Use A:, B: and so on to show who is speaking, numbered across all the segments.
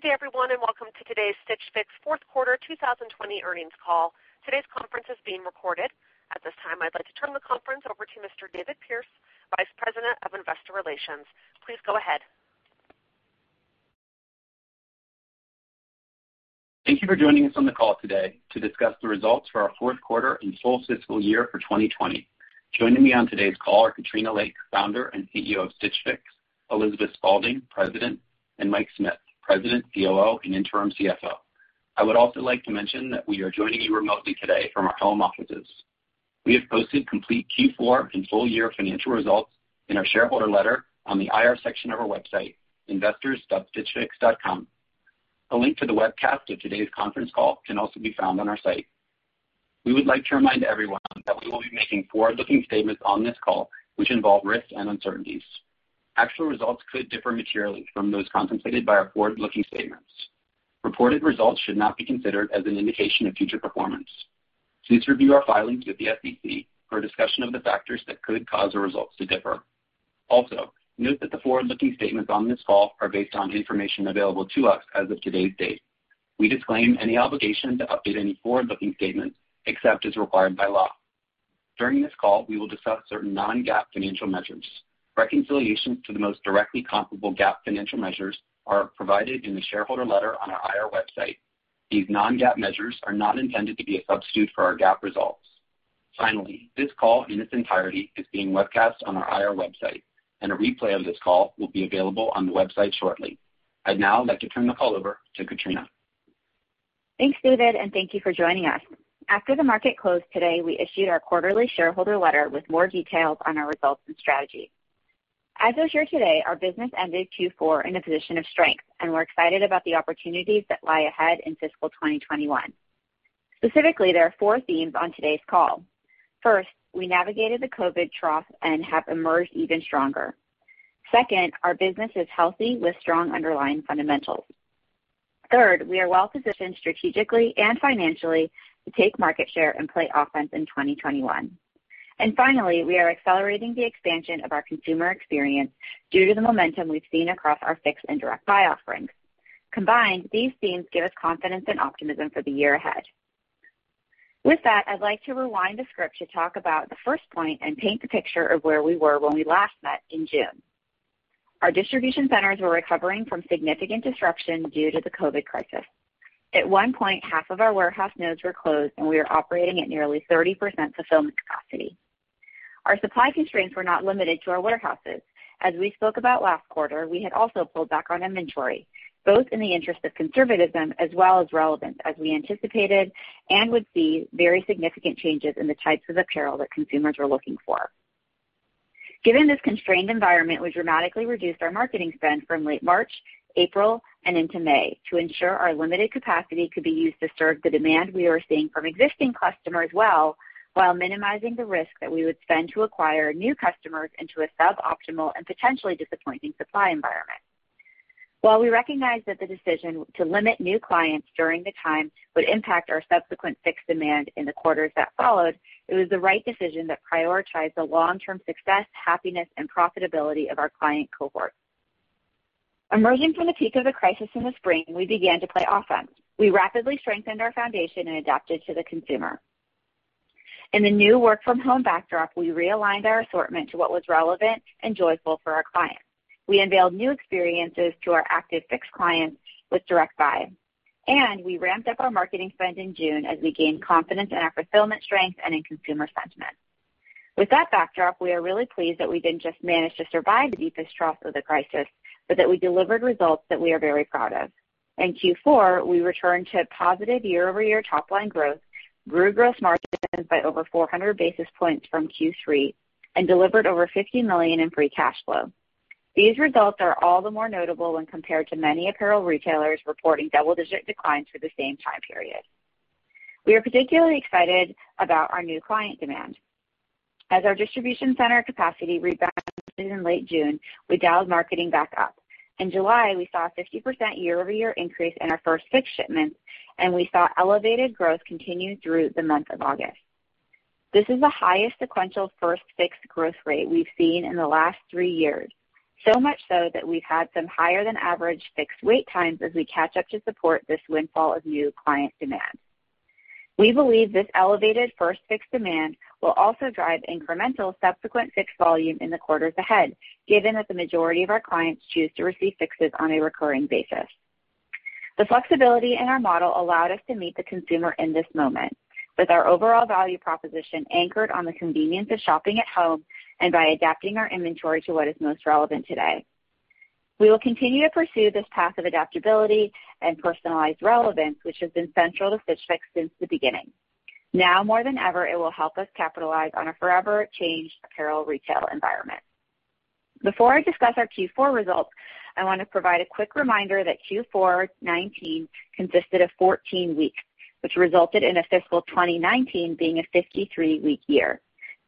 A: Good afternoon, everyone, and welcome to today's Stitch Fix Q4 2020 Earnings Call. Today's conference is being recorded. At this time, I'd like to turn the conference over to Mr. David Pearce, VP of Investor Relations. Please go ahead.
B: Thank you for joining us on the call today to discuss the results for our Q4 and full fiscal year for 2020. Joining me on today's call are Katrina Lake, Founder and CEO of Stitch Fix; Elizabeth Spaulding, President; and Mike Smith, President, COO, and Interim CFO. I would also like to mention that we are joining you remotely today from our home offices. We have posted complete Q4 and full year financial results in our shareholder letter on the IR section of our website, investors.stitchfix.com. A link to the webcast of today's conference call can also be found on our site. We would like to remind everyone that we will be making forward-looking statements on this call, which involve risks and uncertainties. Actual results could differ materially from those contemplated by our forward-looking statements. Reported results should not be considered as an indication of future performance. Please review our filings with the SEC for discussion of the factors that could cause the results to differ. Also, note that the forward-looking statements on this call are based on information available to us as of today's date. We disclaim any obligation to update any forward-looking statements except as required by law. During this call, we will discuss certain non-GAAP financial measures. Reconciliations to the most directly comparable GAAP financial measures are provided in the shareholder letter on our IR website. These non-GAAP measures are not intended to be a substitute for our GAAP results. Finally, this call in its entirety is being webcast on our IR website, and a replay of this call will be available on the website shortly. I'd now like to turn the call over to Katrina.
C: Thanks, David, and thank you for joining us. After the market closed today, we issued our quarterly shareholder letter with more details on our results and strategy. As of here today, our business ended Q4 in a position of strength, and we're excited about the opportunities that lie ahead in fiscal 2021. Specifically, there are four themes on today's call. First, we navigated the COVID trough and have emerged even stronger. Second, our business is healthy with strong underlying fundamentals. Third, we are well-positioned strategically and financially to take market share and play offense in 2021. And finally, we are accelerating the expansion of our consumer experience due to the momentum we've seen across our Fix and Direct Buy offerings. Combined, these themes give us confidence and optimism for the year ahead. With that, I'd like to rewind the script to talk about the first point and paint the picture of where we were when we last met in June. Our distribution centers were recovering from significant disruption due to the COVID crisis. At one point, half of our warehouse nodes were closed, and we were operating at nearly 30% fulfillment capacity. Our supply constraints were not limited to our warehouses. As we spoke about last quarter, we had also pulled back on inventory, both in the interest of conservatism as well as relevance, as we anticipated and would see very significant changes in the types of apparel that consumers were looking for. Given this constrained environment, we dramatically reduced our marketing spend from late March, April, and into May to ensure our limited capacity could be used to serve the demand we were seeing from existing customers well while minimizing the risk that we would spend to acquire new customers into a suboptimal and potentially disappointing supply environment. While we recognize that the decision to limit new clients during the time would impact our subsequent Fix demand in the quarters that followed, it was the right decision that prioritized the long-term success, happiness, and profitability of our client cohort. Emerging from the peak of the crisis in the spring, we began to play offense. We rapidly strengthened our foundation and adapted to the consumer. In the new work-from-home backdrop, we realigned our assortment to what was relevant and joyful for our clients. We unveiled new experiences to our active Fix clients with Direct Buy, and we ramped up our marketing spend in June as we gained confidence in our fulfillment strength and in consumer sentiment. With that backdrop, we are really pleased that we didn't just manage to survive the deepest trough of the crisis, but that we delivered results that we are very proud of. In Q4, we returned to positive year-over-year top-line growth, grew gross margins by over 400 basis points from Q3, and delivered over $50 million in free cash flow. These results are all the more notable when compared to many apparel retailers reporting double-digit declines for the same time period. We are particularly excited about our new client demand. As our distribution center capacity rebalanced in late June, we dialed marketing back up. In July, we saw a 50% year-over-year increase in our First Fix shipments, and we saw elevated growth continue through the month of August. This is the highest sequential First Fix growth rate we've seen in the last three years, so much so that we've had some higher-than-average Fix wait times as we catch up to support this windfall of new client demand. We believe this elevated First Fix demand will also drive incremental subsequent Fix volume in the quarters ahead, given that the majority of our clients choose to receive Fixes on a recurring basis. The flexibility in our model allowed us to meet the consumer in this moment, with our overall value proposition anchored on the convenience of shopping at home and by adapting our inventory to what is most relevant today. We will continue to pursue this path of adaptability and personalized relevance, which has been central to Stitch Fix since the beginning. Now more than ever, it will help us capitalize on a forever-changed apparel retail environment. Before I discuss our Q4 results, I want to provide a quick reminder that Q4 2019 consisted of 14 weeks, which resulted in a fiscal 2019 being a 53-week year.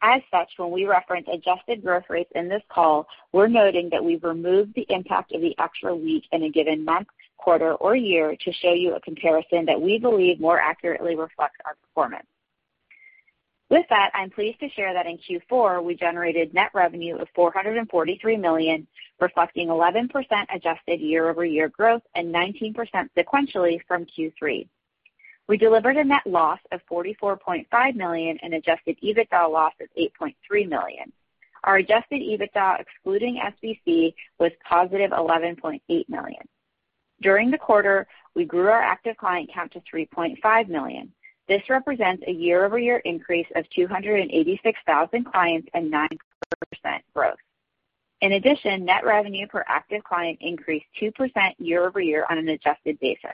C: As such, when we reference adjusted growth rates in this call, we're noting that we've removed the impact of the extra week in a given month, quarter, or year to show you a comparison that we believe more accurately reflects our performance. With that, I'm pleased to share that in Q4, we generated net revenue of $443 million, reflecting 11% adjusted year-over-year growth and 19% sequentially from Q3. We delivered a net loss of $44.5 million and adjusted EBITDA loss of $8.3 million. Our adjusted EBITDA, excluding SBC, was positive $11.8 million. During the quarter, we grew our active client count to 3.5 million. This represents a year-over-year increase of 286,000 clients and 9% growth. In addition, net revenue per active client increased 2% year-over-year on an adjusted basis.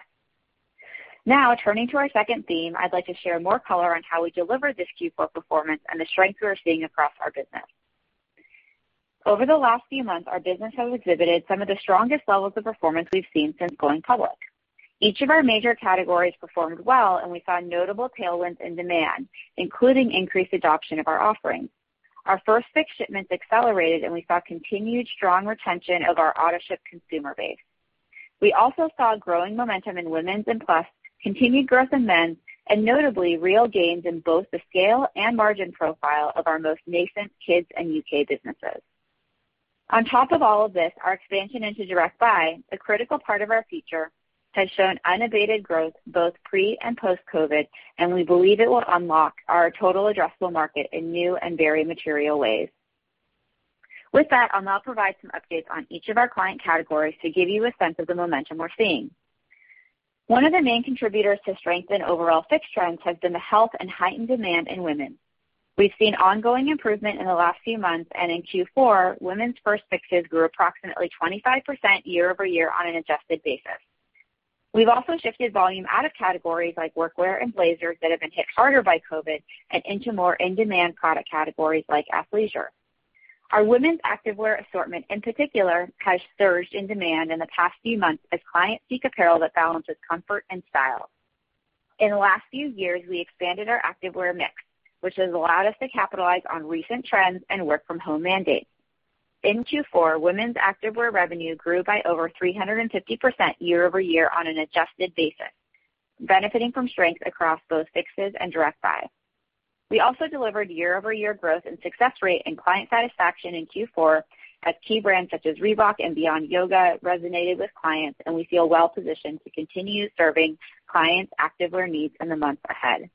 C: Now, turning to our second theme, I'd like to share more color on how we delivered this Q4 performance and the strength we're seeing across our business. Over the last few months, our business has exhibited some of the strongest levels of performance we've seen since going public. Each of our major categories performed well, and we saw notable tailwinds in demand, including increased adoption of our offerings. Our First Fix shipments accelerated, and we saw continued strong retention of our Auto-ship consumer base. We also saw growing momentum in Women's and Plus, continued growth in men, and notably real gains in both the scale and margin profile of our most nascent Kids and U.K. businesses. On top of all of this, our expansion into Direct Buy, a critical part of our future, has shown unabated growth both pre- and post-COVID, and we believe it will unlock our total addressable market in new and very material ways. With that, I'll now provide some updates on each of our client categories to give you a sense of the momentum we're seeing. One of the main contributors to strength in overall Fix trends has been the health and heightened demand in women. We've seen ongoing improvement in the last few months, and in Q4, women's First Fixes grew approximately 25% year-over-year on an adjusted basis. We've also shifted volume out of categories like workwear and blazers that have been hit harder by COVID and into more in-demand product categories like athleisure. Our women's activewear assortment, in particular, has surged in demand in the past few months as clients seek apparel that balances comfort and style. In the last few years, we expanded our activewear mix, which has allowed us to capitalize on recent trends and work-from-home mandates. In Q4, women's activewear revenue grew by over 350% year-over-year on an adjusted basis, benefiting from strength across both Fixes and Direct Buy. We also delivered year-over-year growth in success rate and client satisfaction in Q4 as key brands such as Reebok and Beyond Yoga resonated with clients, and we feel well-positioned to continue serving clients' activewear needs in the months ahead.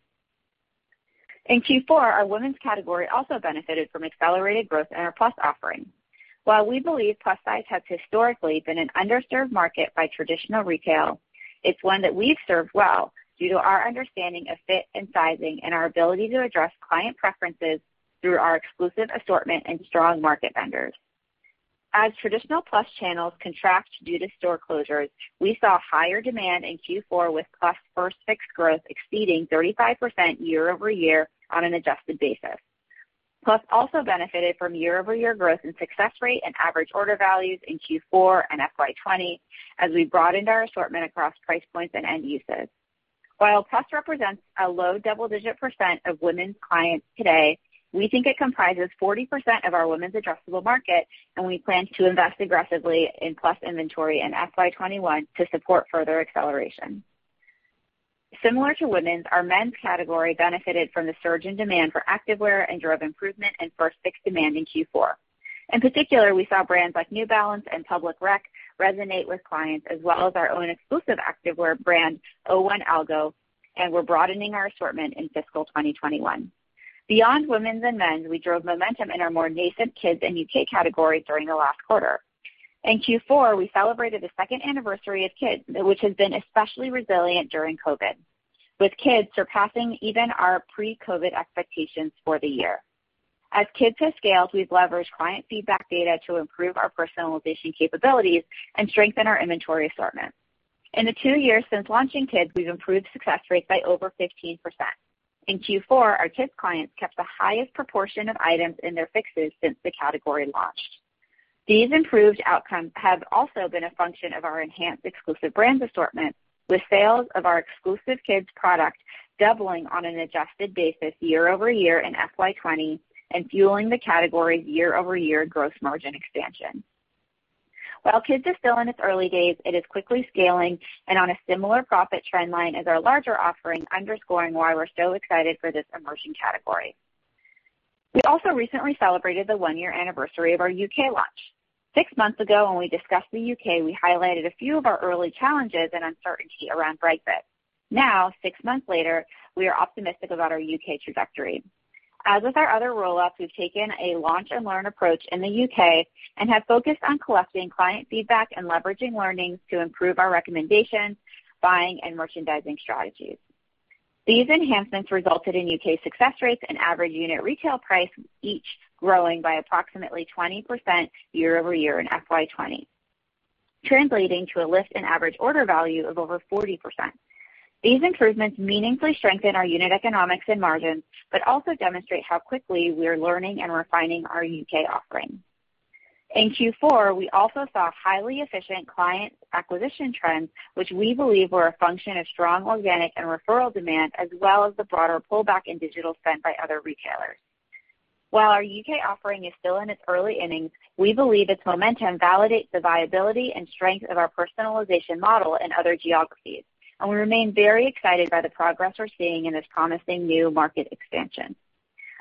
C: In Q4, our women's category also benefited from accelerated growth in our Plus offering. While we believe plus-size has historically been an underserved market by traditional retail, it's one that we've served well due to our understanding of fit and sizing and our ability to address client preferences through our exclusive assortment and strong market vendors. As traditional plus channels contract due to store closures, we saw higher demand in Q4 with plus First Fix growth exceeding 35% year-over-year on an adjusted basis. Plus also benefited from year-over-year growth in success rate and average order values in Q4 and FY 2020 as we broadened our assortment across price points and end uses. While Plus represents a low double-digit % of women's clients today, we think it comprises 40% of our women's addressable market, and we plan to invest aggressively in Plus inventory in FY 2021 to support further acceleration. Similar to women's, our men's category benefited from the surge in demand for activewear and drove improvement in First Fix demand in Q4. In particular, we saw brands like New Balance and Public Rec resonate with clients as well as our own exclusive activewear brand, 01.Algo, and we're broadening our assortment in fiscal 2021. Beyond Women's and Men's, we drove momentum in our more nascent Kids and U.K. categories during the last quarter. In Q4, we celebrated the second anniversary of Kids, which has been especially resilient during COVID, with Kids surpassing even our pre-COVID expectations for the year. As Kids have scaled, we've leveraged client feedback data to improve our personalization capabilities and strengthen our inventory assortment. In the two years since launching Kids, we've improved success rates by over 15%. In Q4, our Kids clients kept the highest proportion of items in their Fixes since the category launched. These improved outcomes have also been a function of our enhanced exclusive brand assortment, with sales of our exclusive kids product doubling on an adjusted basis year-over-year in FY 2020 and fueling the category's year-over-year gross margin expansion. While Kids is still in its early days, it is quickly scaling and on a similar profit trend line as our larger offering, underscoring why we're so excited for this emerging category. We also recently celebrated the one-year anniversary of our U.K. launch. Six months ago, when we discussed the U.K., we highlighted a few of our early challenges and uncertainty around Brexit. Now, six months later, we are optimistic about our U.K. trajectory. As with our other roll-outs, we've taken a launch and learn approach in the U.K. and have focused on collecting client feedback and leveraging learnings to improve our recommendations, buying, and merchandising strategies. These enhancements resulted in U.K. success rates and average unit retail price each growing by approximately 20% year-over-year in FY 2020, translating to a lift in average order value of over 40%. These improvements meaningfully strengthen our unit economics and margins, but also demonstrate how quickly we are learning and refining our U.K. offering. In Q4, we also saw highly efficient client acquisition trends, which we believe were a function of strong organic and referral demand as well as the broader pullback in digital spend by other retailers. While our U.K. offering is still in its early innings, we believe its momentum validates the viability and strength of our personalization model in other geographies, and we remain very excited by the progress we're seeing in this promising new market expansion.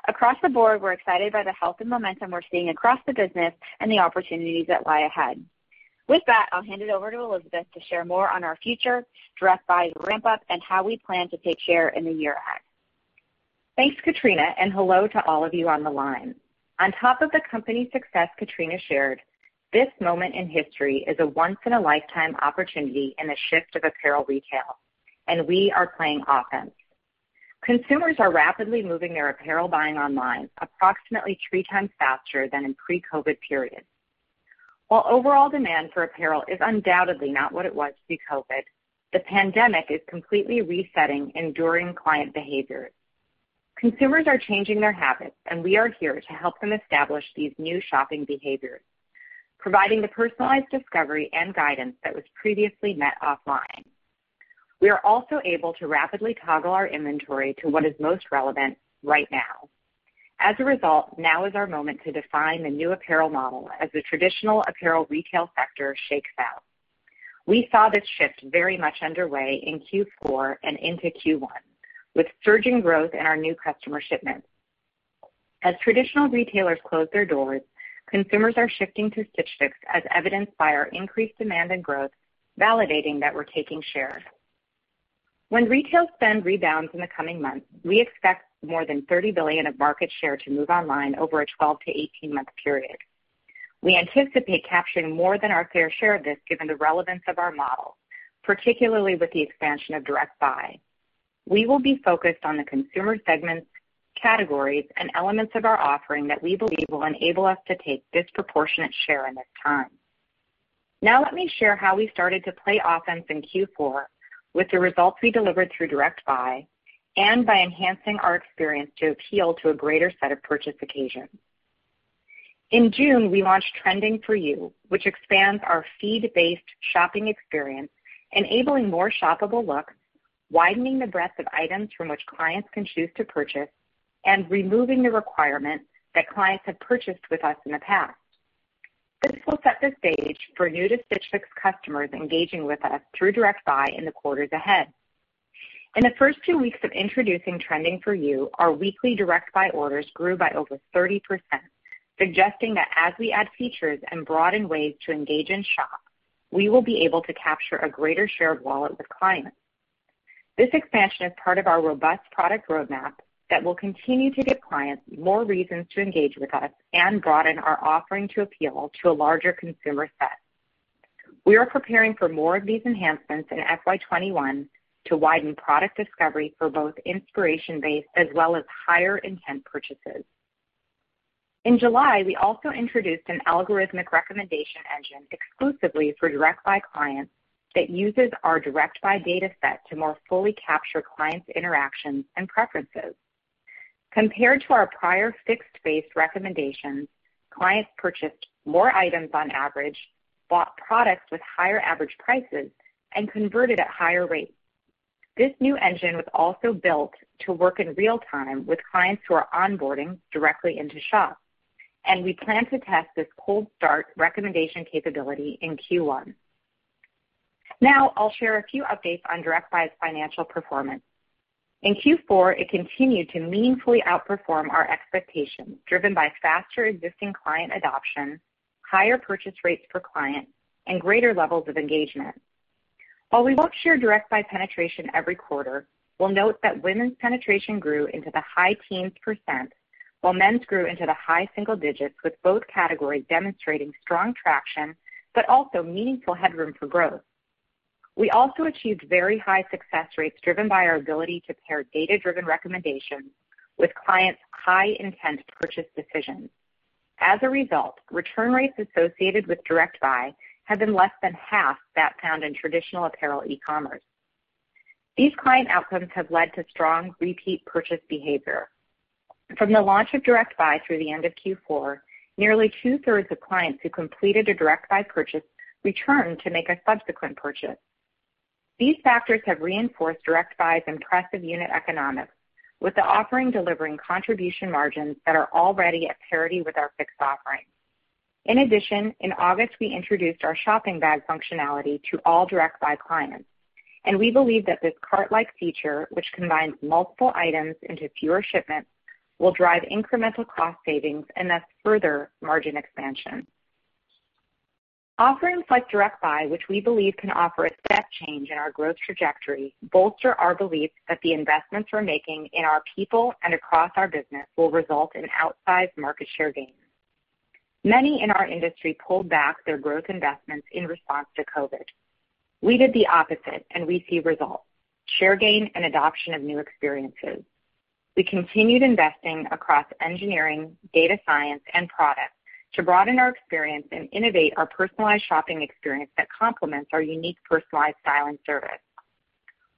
C: Across the board, we're excited by the health and momentum we're seeing across the business and the opportunities that lie ahead. With that, I'll hand it over to Elizabeth to share more on our future, Direct Buy's ramp-up, and how we plan to take share in the year ahead.
D: Thanks, Katrina, and hello to all of you on the line. On top of the company success Katrina shared, this moment in history is a once-in-a-lifetime opportunity in the shift of apparel retail, and we are playing offense. Consumers are rapidly moving their apparel buying online, approximately three times faster than in pre-COVID periods. While overall demand for apparel is undoubtedly not what it was pre-COVID, the pandemic is completely resetting enduring client behaviors. Consumers are changing their habits, and we are here to help them establish these new shopping behaviors, providing the personalized discovery and guidance that was previously met offline. We are also able to rapidly toggle our inventory to what is most relevant right now. As a result, now is our moment to define the new apparel model as the traditional apparel retail sector shakes out. We saw this shift very much underway in Q4 and into Q1, with surging growth in our new customer shipments. As traditional retailers close their doors, consumers are shifting to Stitch Fix as evidenced by our increased demand and growth, validating that we're taking share. When retail spend rebounds in the coming months, we expect more than $30 billion of market share to move online over a 12- to 18-month period. We anticipate capturing more than our fair share of this given the relevance of our model, particularly with the expansion of Direct Buy. We will be focused on the Consumer segments, categories, and elements of our offering that we believe will enable us to take disproportionate share in this time. Now let me share how we started to play offense in Q4 with the results we delivered through Direct Buy and by enhancing our experience to appeal to a greater set of purchase occasions. In June, we launched Trending For You, which expands our feed-based shopping experience, enabling more shoppable looks, widening the breadth of items from which clients can choose to purchase, and removing the requirement that clients have purchased with us in the past. This will set the stage for new to Stitch Fix customers engaging with us through Direct Buy in the quarters ahead. In the first two weeks of introducing Trending For You, our weekly Direct Buy orders grew by over 30%, suggesting that as we add features and broaden ways to engage and shop, we will be able to capture a greater share of wallet with clients. This expansion is part of our robust product roadmap that will continue to give clients more reasons to engage with us and broaden our offering to appeal to a larger consumer set. We are preparing for more of these enhancements in FY 2021 to widen product discovery for both inspiration-based as well as higher intent purchases. In July, we also introduced an algorithmic recommendation engine exclusively for Direct Buy clients that uses our Direct Buy data set to more fully capture clients' interactions and preferences. Compared to our prior Fix-based recommendations, clients purchased more items on average, bought products with higher average prices, and converted at higher rates. This new engine was also built to work in real time with clients who are onboarding directly into shop, and we plan to test this cold-start recommendation capability in Q1. Now, I'll share a few updates on Direct Buy's financial performance. In Q4, it continued to meaningfully outperform our expectations, driven by faster existing client adoption, higher purchase rates per client, and greater levels of engagement. While we won't share Direct Buy penetration every quarter, we'll note that Women's penetration grew into the high teens%, while Men's grew into the high single-digits%, with both categories demonstrating strong traction but also meaningful headroom for growth. We also achieved very high success rates driven by our ability to pair data-driven recommendations with clients' high intent purchase decisions. As a result, return rates associated with Direct Buy have been less than half that found in traditional apparel e-commerce. These client outcomes have led to strong repeat purchase behavior. From the launch of Direct Buy through the end of Q4, nearly 2/3 of clients who completed a Direct Buy purchase returned to make a subsequent purchase. These factors have reinforced Direct Buy's impressive unit economics, with the offering delivering contribution margins that are already at parity with our Fix offering. In addition, in August, we introduced our shopping bag functionality to all Direct Buy clients, and we believe that this cart-like feature, which combines multiple items into fewer shipments, will drive incremental cost savings and thus further margin expansion. Offerings like Direct Buy, which we believe can offer a step change in our growth trajectory, bolster our belief that the investments we're making in our people and across our business will result in outsized market share gains. Many in our industry pulled back their growth investments in response to COVID. We did the opposite, and we see results: share gain and adoption of new experiences. We continued investing across engineering, data science, and product to broaden our experience and innovate our personalized shopping experience that complements our unique personalized style and service.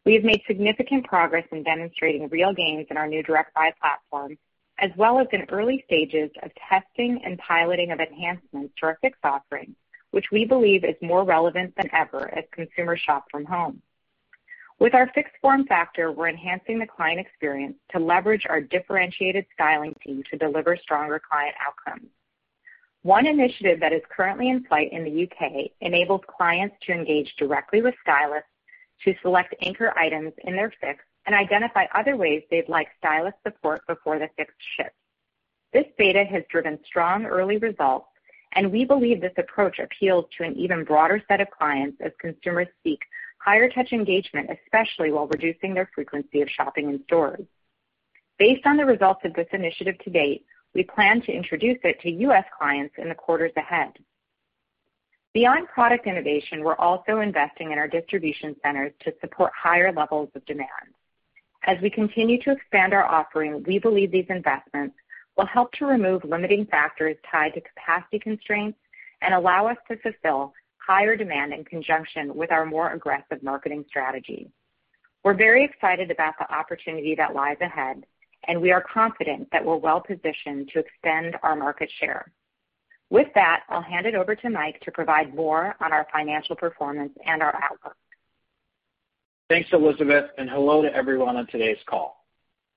D: We have made significant progress in demonstrating real gains in our new Direct Buy platform, as well as in early stages of testing and piloting of enhancements to our Fix offering, which we believe is more relevant than ever as consumers shop from home. With our Fix form factor, we're enhancing the client experience to leverage our differentiated styling team to deliver stronger client outcomes. One initiative that is currently in sight in the U.K. enables clients to engage directly with stylists to select anchor items in their Fix and identify other ways they'd like stylist support before the Fix ships. This data has driven strong early results, and we believe this approach appeals to an even broader set of clients as consumers seek higher touch engagement, especially while reducing their frequency of shopping in stores. Based on the results of this initiative to date, we plan to introduce it to U.S. clients in the quarters ahead. Beyond product innovation, we're also investing in our distribution centers to support higher levels of demand. As we continue to expand our offering, we believe these investments will help to remove limiting factors tied to capacity constraints and allow us to fulfill higher demand in conjunction with our more aggressive marketing strategy. We're very excited about the opportunity that lies ahead, and we are confident that we're well positioned to extend our market share. With that, I'll hand it over to Mike to provide more on our financial performance and our outlook.
E: Thanks, Elizabeth, and hello to everyone on today's call.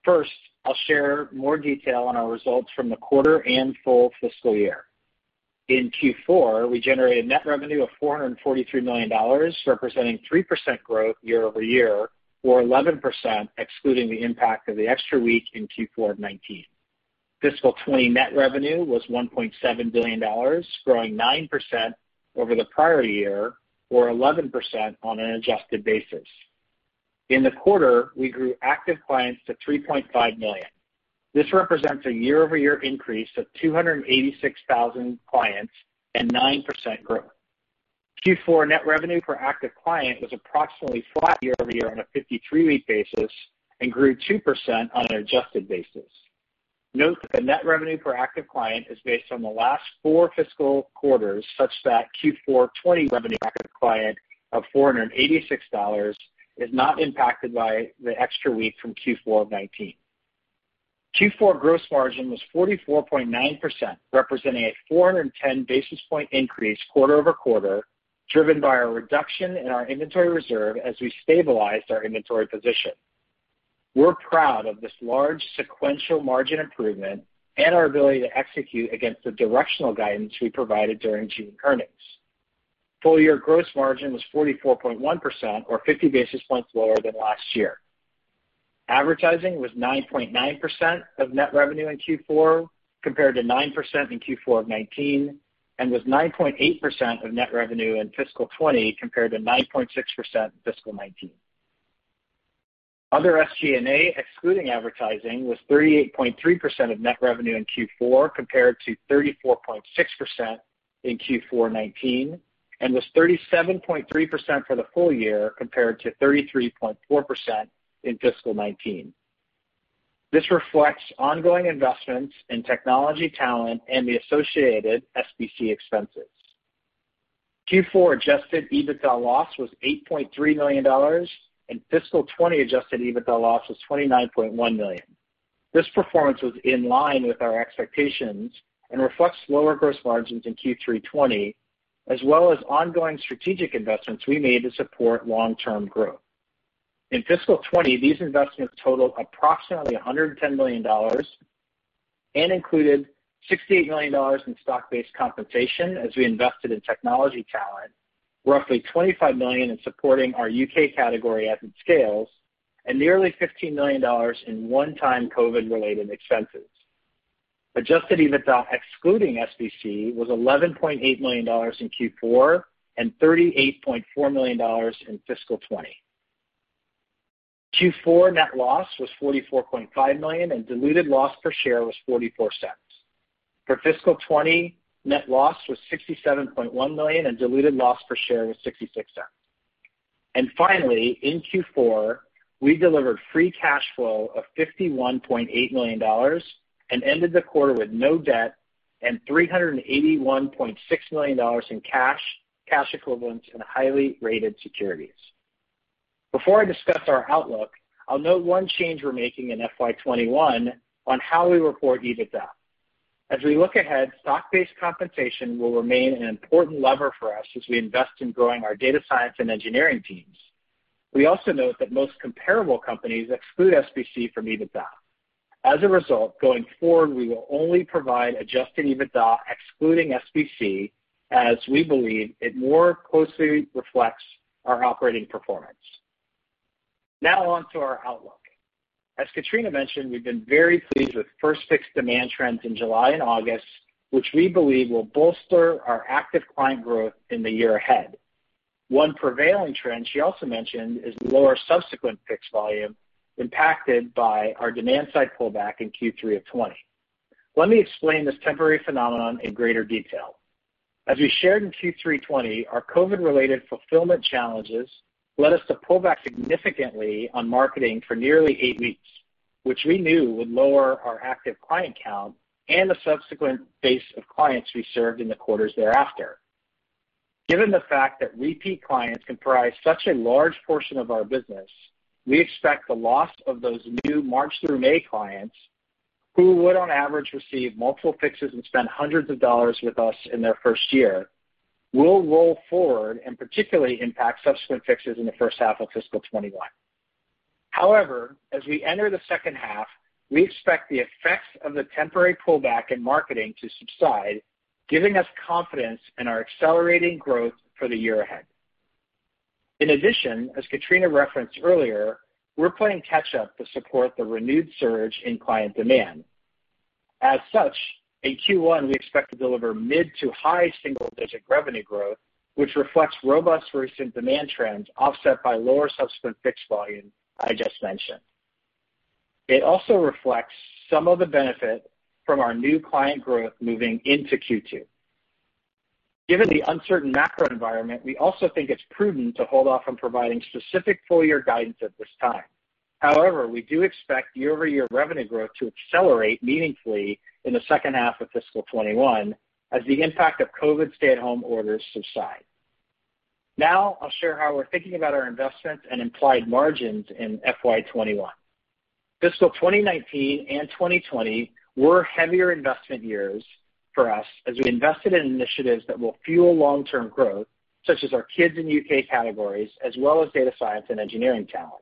E: First, I'll share more detail on our results from the quarter and full fiscal year. In Q4, we generated net revenue of $443 million, representing 3% growth year-over-year, or 11% excluding the impact of the extra week in Q4 of 2019. Fiscal 2020 net revenue was $1.7 billion, growing 9% over the prior year, or 11% on an adjusted basis. In the quarter, we grew active clients to 3.5 million. This represents a year-over-year increase of 286,000 clients and 9% growth. Q4 net revenue per active client was approximately flat year-over-year on a 53-week basis and grew 2% on an adjusted basis. Note that the net revenue per active client is based on the last four fiscal quarters, such that Q4 2020 net revenue per active client of $486 is not impacted by the extra week from Q4 of 2019.
C: Q4 gross margin was 44.9%, representing a 410 basis point increase quarter-over-quarter, driven by our reduction in our inventory reserve as we stabilized our inventory position. We're proud of this large sequential margin improvement and our ability to execute against the directional guidance we provided during June earnings. Full-year gross margin was 44.1%, or 50 basis points lower than last year. Advertising was 9.9% of net revenue in Q4, compared to 9% in Q4 of 2019, and was 9.8% of net revenue in fiscal 2020, compared to 9.6% in fiscal 2019. Other SG&A, excluding advertising, was 38.3% of net revenue in Q4, compared to 34.6% in Q4 2019, and was 37.3% for the full year, compared to 33.4% in fiscal 2019. This reflects ongoing investments in technology talent and the associated SBC expenses. Q4 adjusted EBITDA loss was $8.3 million, and fiscal 2020 adjusted EBITDA loss was $29.1 million. This performance was in line with our expectations and reflects lower gross margins in Q3 2020, as well as ongoing strategic investments we made to support long-term growth. In fiscal 2020, these investments totaled approximately $110 million and included $68 million in stock-based compensation as we invested in technology talent, roughly $25 million in supporting our U.K. category as it scales, and nearly $15 million in one-time COVID-related expenses. Adjusted EBITDA excluding SBC was $11.8 million in Q4 and $38.4 million in fiscal 2020. Q4 net loss was $44.5 million, and diluted loss per share was $0.44. For fiscal 2020, net loss was $67.1 million, and diluted loss per share was $0.66. Finally, in Q4, we delivered free cash flow of $51.8 million and ended the quarter with no debt and $381.6 million in cash, cash equivalents, and highly rated securities. Before I discuss our outlook, I'll note one change we're making in FY 2021 on how we report EBITDA. As we look ahead, stock-based compensation will remain an important lever for us as we invest in growing our data science and engineering teams. We also note that most comparable companies exclude SBC from EBITDA. As a result, going forward, we will only provide adjusted EBITDA excluding SBC, as we believe it more closely reflects our operating performance. Now on to our outlook. As Katrina mentioned, we've been very pleased with First Fix demand trends in July and August, which we believe will bolster our active client growth in the year ahead. One prevailing trend she also mentioned is lower subsequent Fix volume impacted by our demand-side pullback in Q3 of 2020. Let me explain this temporary phenomenon in greater detail. As we shared in Q3 2020, our COVID-related fulfillment challenges led us to pull back significantly on marketing for nearly eight weeks, which we knew would lower our active client count and the subsequent base of clients we served in the quarters thereafter. Given the fact that repeat clients comprise such a large portion of our business, we expect the loss of those new March through May clients, who would on average receive multiple Fixes and spend hundreds of dollars with us in their first year, will roll forward and particularly impact subsequent Fixes in the first half of fiscal 2021. However, as we enter the second half, we expect the effects of the temporary pullback in marketing to subside, giving us confidence in our accelerating growth for the year ahead. In addition, as Katrina referenced earlier, we're playing catch-up to support the renewed surge in client demand. As such, in Q1, we expect to deliver mid to high single-digit revenue growth, which reflects robust recent demand trends offset by lower subsequent Fix volume I just mentioned. It also reflects some of the benefit from our new client growth moving into Q2. Given the uncertain macro environment, we also think it's prudent to hold off on providing specific full-year guidance at this time. However, we do expect year-over-year revenue growth to accelerate meaningfully in the second half of fiscal 2021 as the impact of COVID stay-at-home orders subside. Now, I'll share how we're thinking about our investments and implied margins in FY 2021. Fiscal 2019 and 2020 were heavier investment years for us as we invested in initiatives that will fuel long-term growth, such as our Kids and U.K. categories, as well as data science and engineering talent.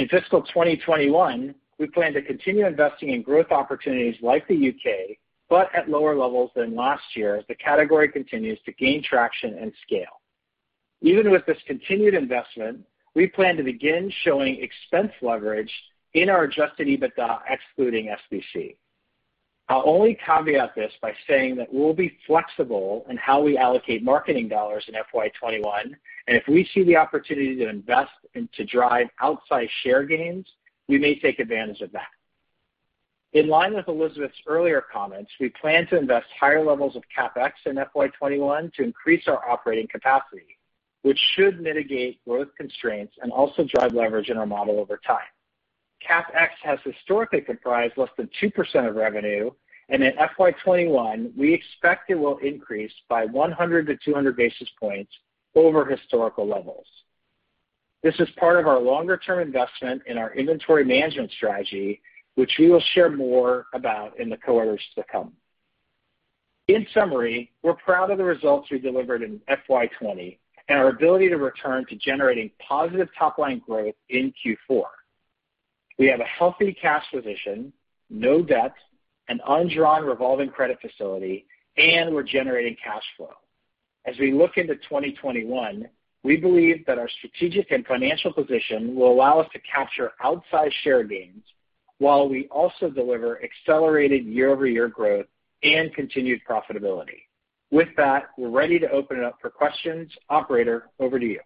C: In fiscal 2021, we plan to continue investing in growth opportunities like the U.K., but at lower levels than last year as the category continues to gain traction and scale. Even with this continued investment, we plan to begin showing expense leverage in our adjusted EBITDA excluding SBC. I'll only caveat this by saying that we'll be flexible in how we allocate marketing dollars in FY 2021, and if we see the opportunity to invest and to drive outsized share gains, we may take advantage of that. In line with Elizabeth's earlier comments, we plan to invest higher levels of CapEx in FY 2021 to increase our operating capacity, which should mitigate growth constraints and also drive leverage in our model over time. CapEx has historically comprised less than 2% of revenue, and in FY 2021, we expect it will increase by 100-200 basis points over historical levels. This is part of our longer-term investment in our inventory management strategy, which we will share more about in the quarters to come. In summary, we're proud of the results we delivered in FY 2020 and our ability to return to generating positive top-line growth in Q4. We have a healthy cash position, no debt, an undrawn revolving credit facility, and we're generating cash flow. As we look into 2021, we believe that our strategic and financial position will allow us to capture outsized share gains while we also deliver accelerated year-over-year growth and continued profitability. With that, we're ready to open it up for questions. Operator, over to you.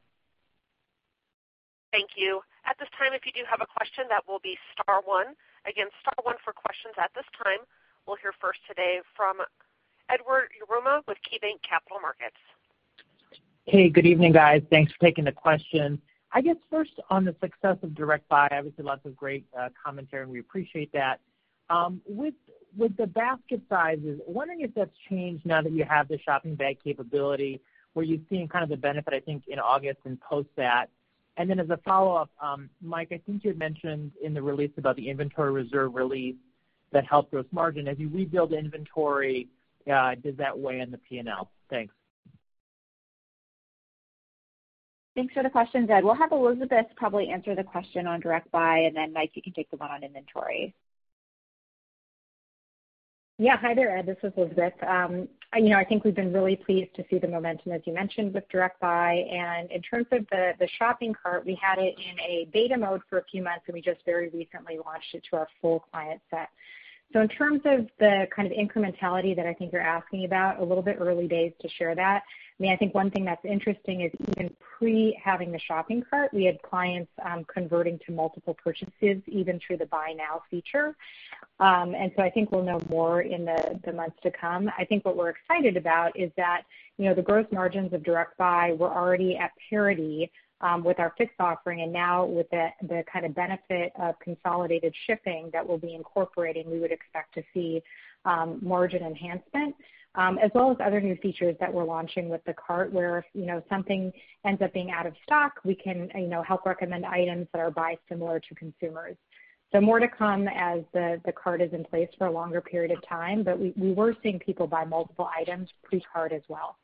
A: Thank you. At this time, if you do have a question, that will be star one. Again, star one for questions at this time. We'll hear first today from Edward Yruma with KeyBanc Capital Markets.
F: Hey, good evening, guys. Thanks for taking the question. I guess first, on the success of Direct Buy, obviously, lots of great commentary, and we appreciate that. With the basket sizes, wondering if that's changed now that you have the shopping bag capability, where you've seen kind of the benefit, I think, in August and post that. And then as a follow-up, Mike, I think you had mentioned in the release about the inventory reserve release that helped gross margin. As you rebuild inventory, does that weigh on the P&L? Thanks.
C: Thanks for the question, Ed. We'll have Elizabeth probably answer the question on Direct Buy, and then Mike can take the one on inventory.
D: Yeah. Hi there, Ed. This is Elizabeth. I think we've been really pleased to see the momentum, as you mentioned, with Direct Buy. And in terms of the shopping cart, we had it in a beta mode for a few months, and we just very recently launched it to our full client set. So in terms of the kind of incrementality that I think you're asking about, a little bit early days to share that. I mean, I think one thing that's interesting is even pre-having the shopping cart, we had clients converting to multiple purchases even through the Buy Now feature. And so I think we'll know more in the months to come. I think what we're excited about is that the gross margins of Direct Buy were already at parity with our Fix offering, and now with the kind of benefit of consolidated shipping that we'll be incorporating, we would expect to see margin enhancement, as well as other new features that we're launching with the cart, where if something ends up being out of stock, we can help recommend items that are buy-similar to consumers. So more to come as the cart is in place for a longer period of time, but we were seeing people buy multiple items pre-cart as well.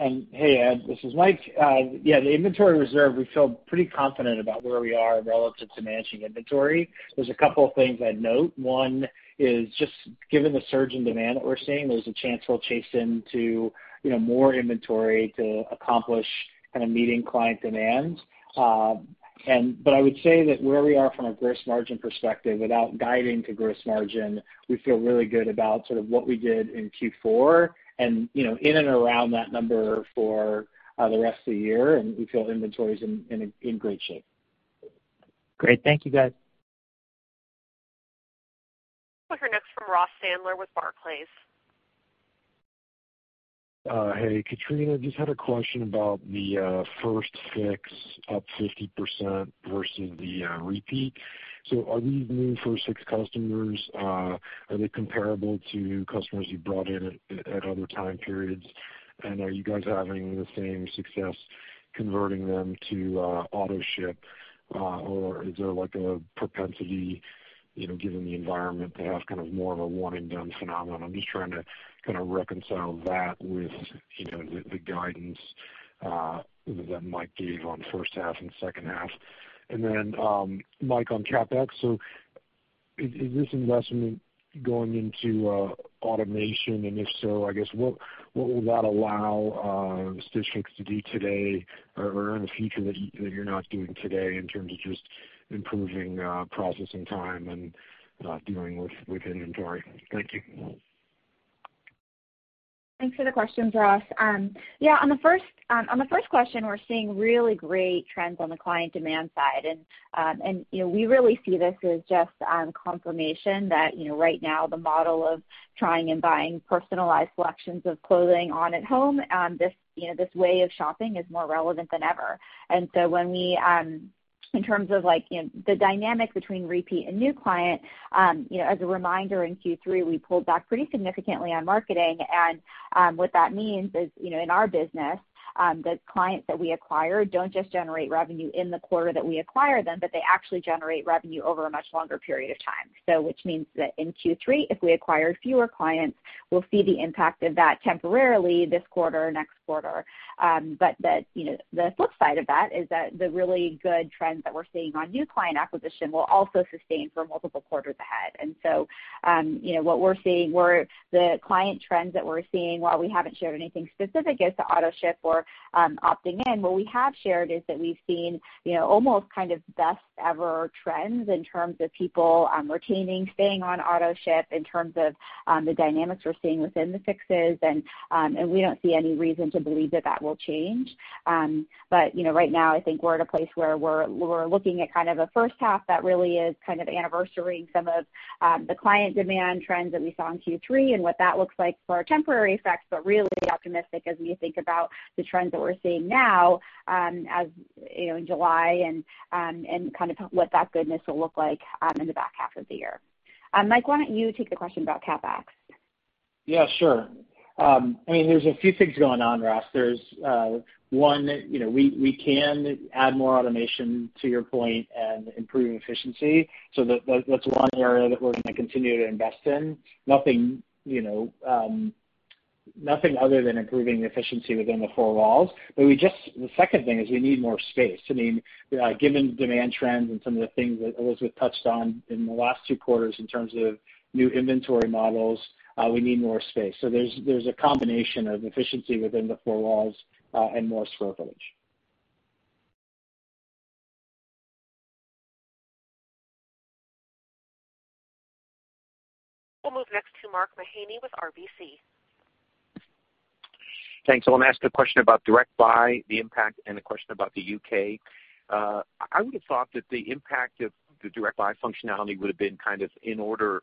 E: And hey, Ed, this is Mike. Yeah, the inventory reserve, we feel pretty confident about where we are relative to managing inventory. There's a couple of things I'd note. One is just given the surge in demand that we're seeing, there's a chance we'll chase into more inventory to accomplish kind of meeting client demands. But I would say that where we are from a gross margin perspective, without guiding to gross margin, we feel really good about sort of what we did in Q4 and in and around that number for the rest of the year, and we feel inventory's in great shape.
F: Great. Thank you, guys.
A: We'll hear next from Ross Sandler with Barclays.
G: Hey, Katrina, just had a question about the First Fix up 50% versus the repeat. So are these First Fix customers? Are they comparable to customers you brought in at other time periods? And are you guys having the same success converting them to Auto-ship, or is there a propensity, given the environment, to have kind of more of a one-and-done phenomenon? I'm just trying to kind of reconcile that with the guidance that Mike gave on first half and second half. And then, Mike, on CapEx, so is this investment going into automation? And if so, I guess, what will that allow Stitch Fix to do today or in the future that you're not doing today in terms of just improving processing time and dealing with inventory? Thank you.
C: Thanks for the question, Ross. Yeah, on the first question, we're seeing really great trends on the client demand side. And we really see this as just confirmation that right now, the model of trying and buying personalized selections of clothing at home, this way of shopping is more relevant than ever. And so, when we—in terms of the dynamic between repeat and new client—as a reminder, in Q3, we pulled back pretty significantly on marketing. And what that means is, in our business, the clients that we acquire don't just generate revenue in the quarter that we acquire them, but they actually generate revenue over a much longer period of time. So, which means that in Q3, if we acquire fewer clients, we'll see the impact of that temporarily this quarter or next quarter. But the flip side of that is that the really good trends that we're seeing on new client acquisition will also sustain for multiple quarters ahead. And so what we're seeing, the client trends that we're seeing, while we haven't shared anything specific as to Auto-ship or opting in, what we have shared is that we've seen almost kind of best-ever trends in terms of people retaining, staying on Auto-ship in terms of the dynamics we're seeing within the fixes. And we don't see any reason to believe that that will change. But right now, I think we're at a place where we're looking at kind of a first half that really is kind of anniversarying some of the client demand trends that we saw in Q3 and what that looks like for our temporary effects. But really optimistic as we think about the trends that we're seeing now in July and kind of what that goodness will look like in the back half of the year. Mike, why don't you take the question about CapEx?
E: Yeah, sure. I mean, there's a few things going on, Ross. There's one, we can add more automation to your point and improve efficiency. So that's one area that we're going to continue to invest in. Nothing other than improving the efficiency within the four walls. But the second thing is we need more space. I mean, given demand trends and some of the things that Elizabeth touched on in the last two quarters in terms of new inventory models, we need more space. So there's a combination of efficiency within the four walls and more square footage.
A: We'll move next to Mark Mahaney with RBC.
H: Thanks. I want to ask a question about Direct Buy, the impact, and a question about the U.K. I would have thought that the impact of the Direct Buy functionality would have been kind of in order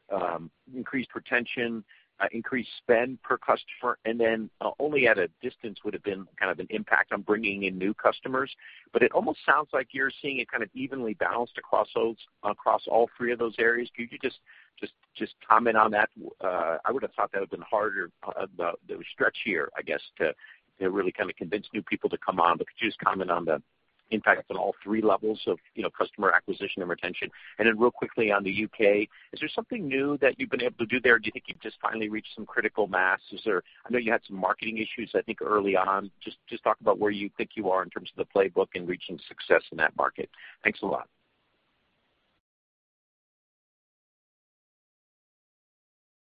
H: increased retention, increased spend per customer, and then only at a distance would have been kind of an impact on bringing in new customers. But it almost sounds like you're seeing it kind of evenly balanced across all three of those areas. Could you just comment on that? I would have thought that would have been harder to stretch here, I guess, to really kind of convince new people to come on. But could you just comment on the impact on all three levels of customer acquisition and retention? And then real quickly on the U.K., is there something new that you've been able to do there? Do you think you've just finally reached some critical mass? I know you had some marketing issues, I think, early on. Just talk about where you think you are in terms of the playbook and reaching success in that market. Thanks a lot.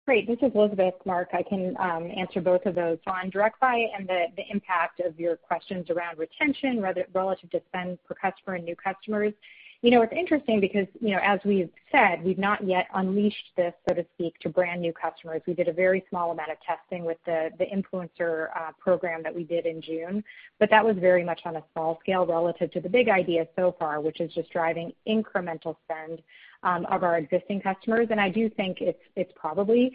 D: Great. This is Elizabeth. Mark, I can answer both of those on Direct Buy and the impact of your questions around retention relative to spend per customer and new customers. It's interesting because, as we've said, we've not yet unleashed this, so to speak, to brand new customers. We did a very small amount of testing with the influencer program that we did in June, but that was very much on a small scale relative to the big idea so far, which is just driving incremental spend of our existing customers. And I do think it's probably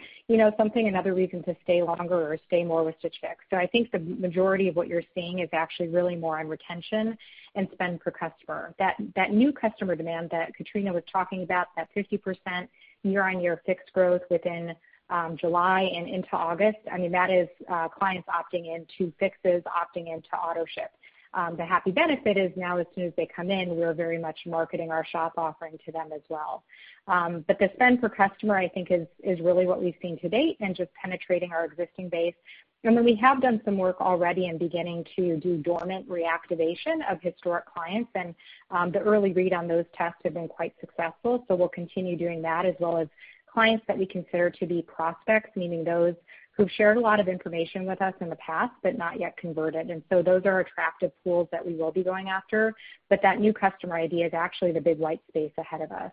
D: something, another reason to stay longer or stay more with Stitch Fix. So I think the majority of what you're seeing is actually really more on retention and spend per customer. That new customer demand that Katrina was talking about, that 50% year-on-year Fix growth within July and into August. I mean, that is clients opting into Fixes, opting into Auto-ship. The happy benefit is now, as soon as they come in, we're very much marketing our shop offering to them as well. But the spend per customer, I think, is really what we've seen to date and just penetrating our existing base. We have done some work already in beginning to do dormant reactivation of historic clients, and the early read on those tests have been quite successful. We'll continue doing that, as well as clients that we consider to be prospects, meaning those who've shared a lot of information with us in the past but not yet converted. And so those are attractive pools that we will be going after, but that new customer idea is actually the big white space ahead of us.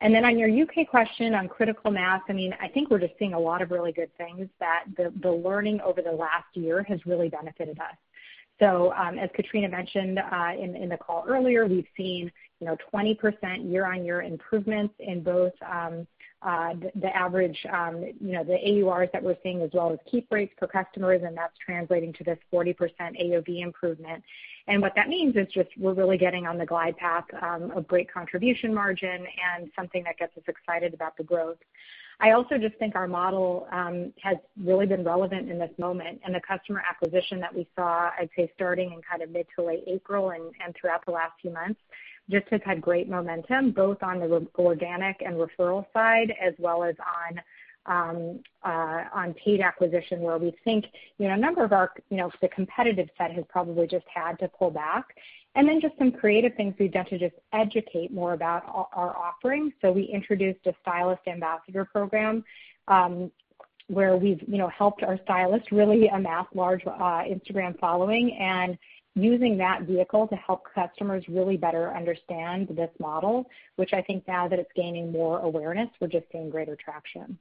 D: And then on your U.K. question on critical mass, I mean, I think we're just seeing a lot of really good things that the learning over the last year has really benefited us. So as Katrina mentioned in the call earlier, we've seen 20% year-on-year improvements in both the average, the AURs that we're seeing, as well as keep rates per customers, and that's translating to this 40% AOV improvement. And what that means is just we're really getting on the glide path of great contribution margin and something that gets us excited about the growth. I also just think our model has really been relevant in this moment, and the customer acquisition that we saw, I'd say, starting in kind of mid to late April and throughout the last few months, just has had great momentum both on the organic and referral side, as well as on paid acquisition, where we think a number of our the competitive set has probably just had to pull back, and then just some creative things we've done to just educate more about our offering, so we introduced a stylist ambassador program where we've helped our stylists really amass large Instagram following and using that vehicle to help customers really better understand this model, which I think now that it's gaining more awareness, we're just seeing greater traction.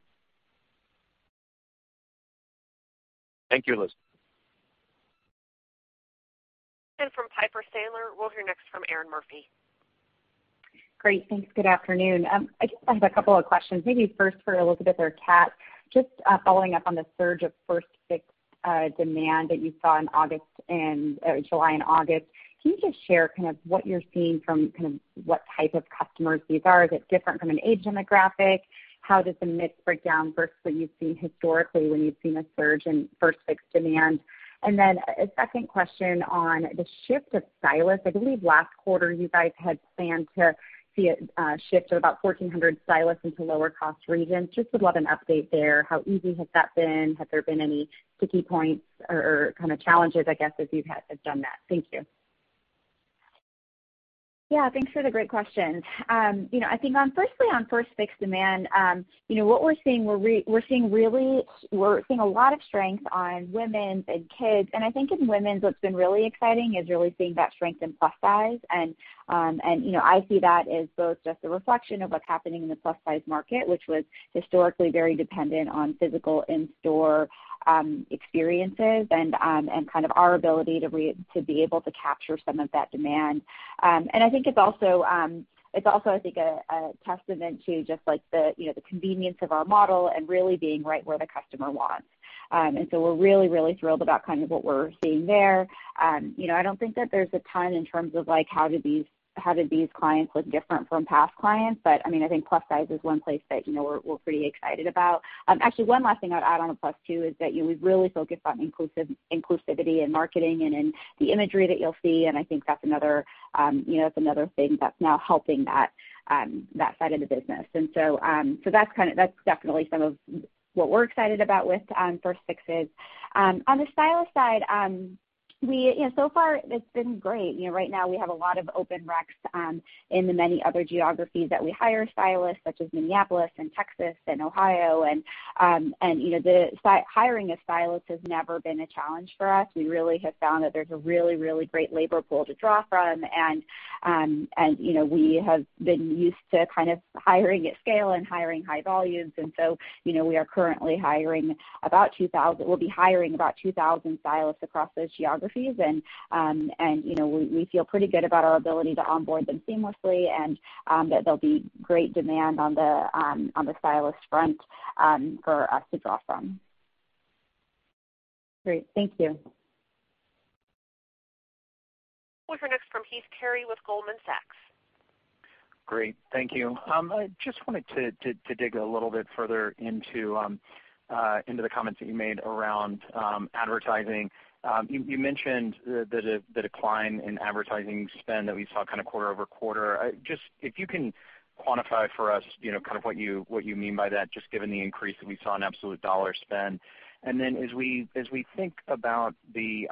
H: Thank you, Elizabeth,
A: and from Piper Sandler, we'll hear next from Erinn Murphy.
I: Great. Thanks. Good afternoon. I just have a couple of questions. Maybe first for Elizabeth or Kat, just following up on the surge of First Fix demand that you saw in July and August. Can you just share kind of what you're seeing from kind of what type of customers these are? Is it different from an age demographic? How does the mix break down versus what you've seen historically when you've seen a surge in First Fix demand? And then a second question on the shift of stylists. I believe last quarter you guys had planned to see a shift of about 1,400 stylists into lower-cost regions. Just would love an update there. How easy has that been? Have there been any sticky points or kind of challenges, I guess, as you've done that? Thank you.
C: Yeah. Thanks for the great questions. I think, firstly, on First Fix demand, what we're seeing is we're seeing a lot of strength on women's and kids, and I think in women's, what's been really exciting is really seeing that strength in Plus Size. I see that as both just a reflection of what's happening in the Plus Size market, which was historically very dependent on physical in-store experiences and kind of our ability to be able to capture some of that demand, and I think it's also, I think, a testament to just the convenience of our model and really being right where the customer wants. And so we're really, really thrilled about kind of what we're seeing there. I don't think that there's a ton in terms of how do these clients look different from past clients, but I mean, I think Plus Size is one place that we're pretty excited about. Actually, one last thing I'd add on a plus two is that we've really focused on inclusivity in marketing and in the imagery that you'll see, and I think that's another thing that's now helping that side of the business, and so that's definitely some of what we're excited about with First Fix's. On the stylist side, so far, it's been great. Right now, we have a lot of open recs in the many other geographies that we hire stylists, such as Minneapolis, Texas, and Ohio, and the hiring of stylists has never been a challenge for us. We really have found that there's a really, really great labor pool to draw from, and we have been used to kind of hiring at scale and hiring high volumes, and so we are currently hiring about 2,000. We'll be hiring about 2,000 stylists across those geographies. We feel pretty good about our ability to onboard them seamlessly and that there'll be great demand on the stylist front for us to draw from.
I: Great. Thank you.
A: We'll hear next from Heath Terry with Goldman Sachs.
J: Great. Thank you. I just wanted to dig a little bit further into the comments that you made around advertising. You mentioned the decline in advertising spend that we saw kind of quarter-over-quarter. Just if you can quantify for us kind of what you mean by that, just given the increase that we saw in absolute dollar spend. And then as we think about the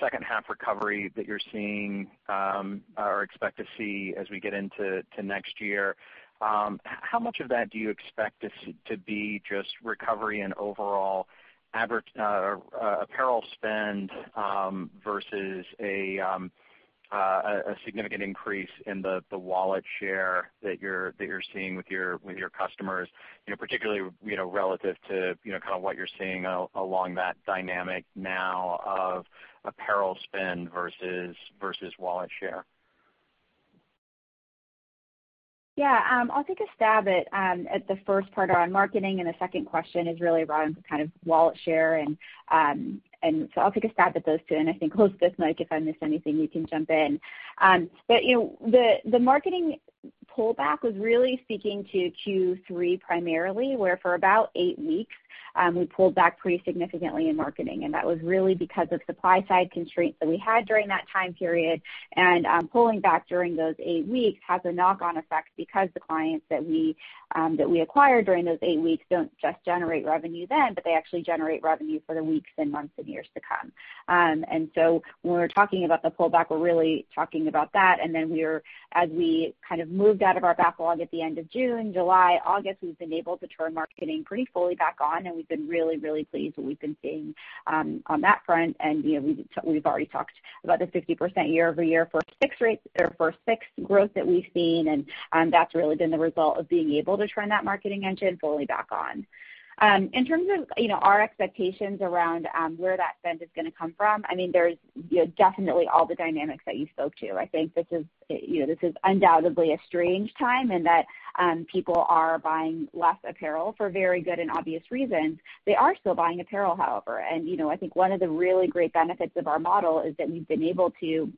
J: second half recovery that you're seeing or expect to see as we get into next year, how much of that do you expect to be just recovery and overall apparel spend versus a significant increase in the wallet share that you're seeing with your customers, particularly relative to kind of what you're seeing along that dynamic now of apparel spend versus wallet share?
C: Yeah. I'll take a stab at the first part around marketing. And the second question is really around kind of wallet share. And so I'll take a stab at those two. And I think Elizabeth, Mike, if I missed anything, you can jump in. But the marketing pullback was really speaking to Q3 primarily, where for about eight weeks, we pulled back pretty significantly in marketing. That was really because of supply-side constraints that we had during that time period. Pulling back during those eight weeks has a knock-on effect because the clients that we acquired during those eight weeks don't just generate revenue then, but they actually generate revenue for the weeks and months and years to come. So when we're talking about the pullback, we're really talking about that. Then as we kind of moved out of our backlog at the end of June, July, August, we've been able to turn marketing pretty fully back on. We've been really, really pleased with what we've been seeing on that front. We've already talked about the 50% year-over-year First Fix growth that we've seen. That's really been the result of being able to turn that marketing engine fully back on. In terms of our expectations around where that spend is going to come from, I mean, there's definitely all the dynamics that you spoke to. I think this is undoubtedly a strange time in that people are buying less apparel for very good and obvious reasons. They are still buying apparel, however. And I think one of the really great benefits of our model is that we've been able to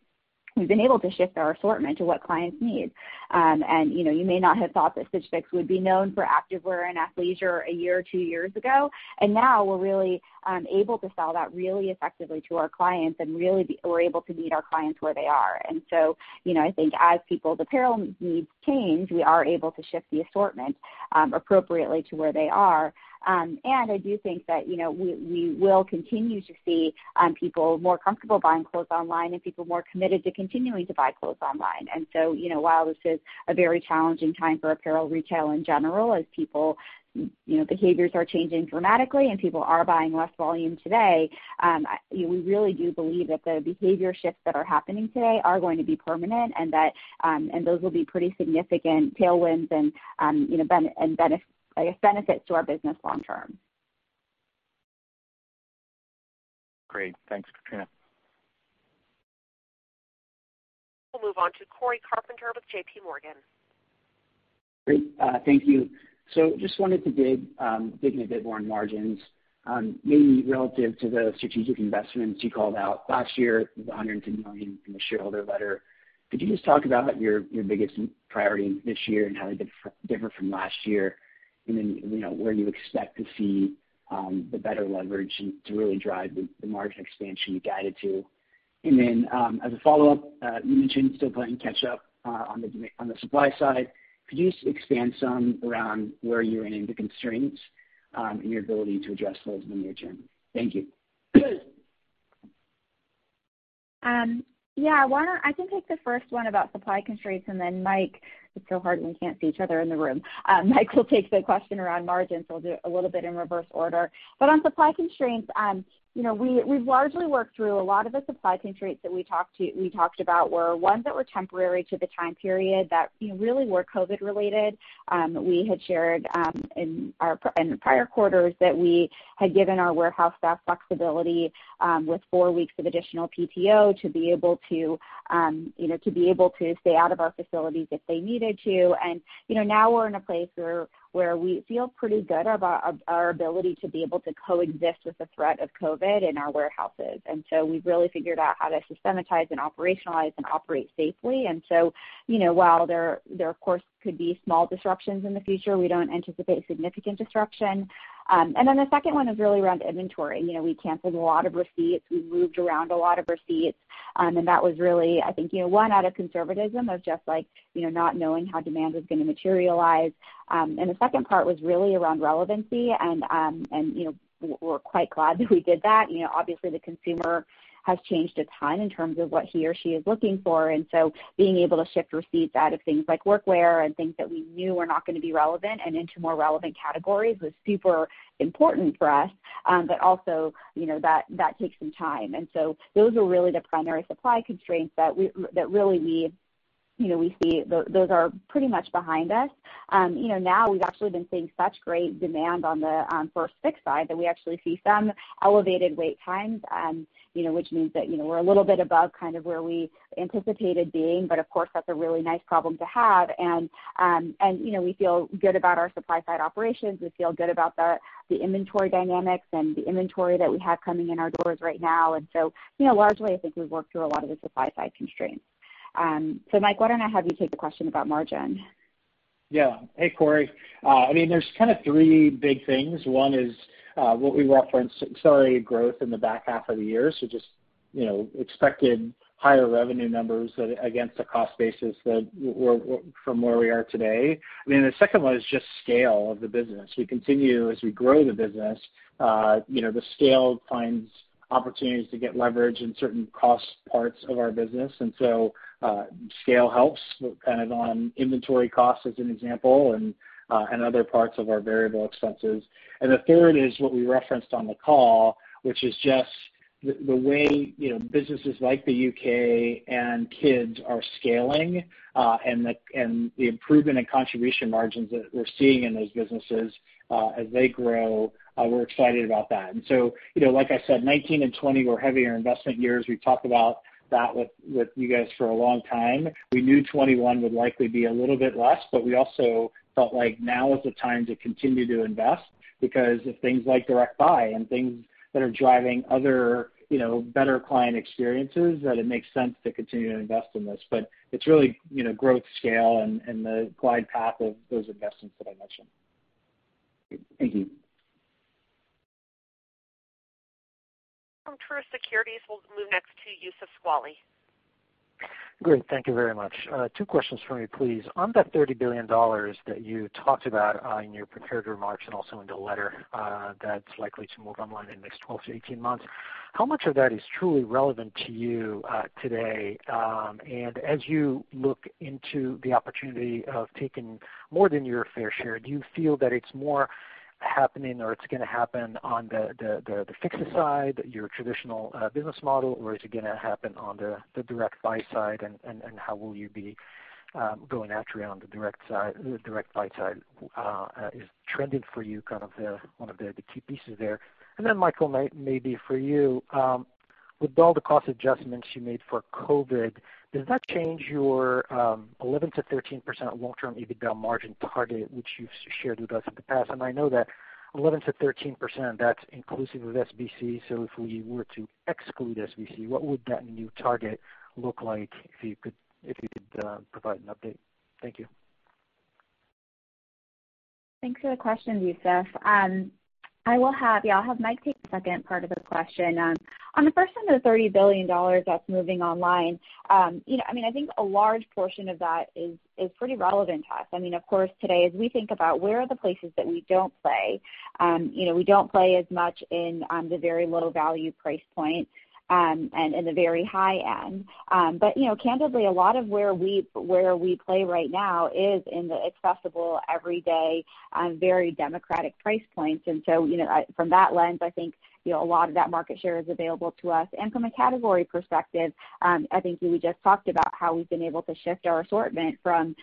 C: shift our assortment to what clients need. And you may not have thought that Stitch Fix would be known for activewear and athleisure a year or two years ago. And now we're really able to sell that really effectively to our clients and really be able to meet our clients where they are. And so I think as people's apparel needs change, we are able to shift the assortment appropriately to where they are. I do think that we will continue to see people more comfortable buying clothes online and people more committed to continuing to buy clothes online. And so while this is a very challenging time for apparel retail in general, as people's behaviors are changing dramatically and people are buying less volume today, we really do believe that the behavior shifts that are happening today are going to be permanent and those will be pretty significant tailwinds and, I guess, benefits to our business long term.
J: Great. Thanks, Katrina.
A: We'll move on to Cory Carpenter with JPMorgan.
K: Great. Thank you. So just wanted to dig in a bit more on margins, maybe relative to the strategic investments you called out. Last year, it was $110 million in the shareholder letter. Could you just talk about your biggest priority this year and how it differed from last year? And then where you expect to see the better leverage to really drive the margin expansion you guided to? And then as a follow-up, you mentioned still playing catch-up on the supply side. Could you expand some around where you ran into constraints in your ability to address those in the near term? Thank you.
C: Yeah. I can take the first one about supply constraints. And then Mike, it's so hard we can't see each other in the room. Mike will take the question around margins. We'll do it a little bit in reverse order. But on supply constraints, we've largely worked through a lot of the supply constraints that we talked about were ones that were temporary to the time period that really were COVID-related. We had shared in prior quarters that we had given our warehouse staff flexibility with four weeks of additional PTO to be able to stay out of our facilities if they needed to. And now we're in a place where we feel pretty good about our ability to be able to coexist with the threat of COVID in our warehouses. And so we've really figured out how to systematize and operationalize and operate safely. And so while there, of course, could be small disruptions in the future, we don't anticipate significant disruption. And then the second one is really around inventory. We canceled a lot of receipts. We moved around a lot of receipts. And that was really, I think, one out of conservatism of just not knowing how demand was going to materialize. And the second part was really around relevancy. We're quite glad that we did that. Obviously, the consumer has changed a ton in terms of what he or she is looking for. Being able to shift receipts out of things like workwear and things that we knew were not going to be relevant and into more relevant categories was super important for us, but also that takes some time. Those are really the primary supply constraints that really we see are pretty much behind us. Now we've actually been seeing such great demand on the First Fix side that we actually see some elevated wait times, which means that we're a little bit above kind of where we anticipated being. Of course, that's a really nice problem to have. We feel good about our supply-side operations. We feel good about the inventory dynamics and the inventory that we have coming in our doors right now. And so largely, I think we've worked through a lot of the supply-side constraints. So Mike, why don't I have you take the question about margin? Yeah. Hey, Cory. I mean, there's kind of three big things. One is what we referenced, sorry, growth in the back half of the year. So just expected higher revenue numbers against the cost basis from where we are today. And then the second one is just scale of the business. We continue, as we grow the business, the scale finds opportunities to get leverage in certain cost parts of our business. And so scale helps kind of on inventory costs as an example and other parts of our variable expenses. And the third is what we referenced on the call, which is just the way businesses like the U.K. and kids are scaling and the improvement in contribution margins that we're seeing in those businesses as they grow. We're excited about that. And so like I said, 2019 and 2020 were heavier investment years. We've talked about that with you guys for a long time. We knew 2021 would likely be a little bit less, but we also felt like now is the time to continue to invest because of things like Direct Buy and things that are driving other better client experiences that it makes sense to continue to invest in this. But it's really growth, scale, and the glide path of those investments that I mentioned. Thank you.
A: From Truist Securities, we'll move next to Youssef Squali.
L: Great. Thank you very much. Two questions for me, please. On that $30 billion that you talked about in your prepared remarks and also in the letter that's likely to move online in the next 12-18 months, how much of that is truly relevant to you today? And as you look into the opportunity of taking more than your fair share, do you feel that it's more happening or it's going to happen on the Fix side, your traditional business model, or is it going to happen on the Direct Buy side? And how will you be going after on the Direct Buy side? Is Trending For You kind of one of the key pieces there? And then, Michael, maybe for you, with all the cost adjustments you made for COVID, does that change your 11%-13% long-term EBITDA margin target, which you've shared with us in the past? And I know that 11%-13%, that's inclusive of SBC. So if we were to exclude SBC, what would that new target look like if you could provide an update? Thank you.
C: Thanks for the question, Youssef. I will have y'all have Mike take the second part of the question. On the first one of the $30 billion that's moving online, I mean, I think a large portion of that is pretty relevant to us. I mean, of course, today, as we think about where are the places that we don't play, we don't play as much in the very low-value price point and in the very high end. But candidly, a lot of where we play right now is in the accessible, everyday, very democratic price points. And so from that lens, I think a lot of that market share is available to us. And from a category perspective, I think we just talked about how we've been able to shift our assortment from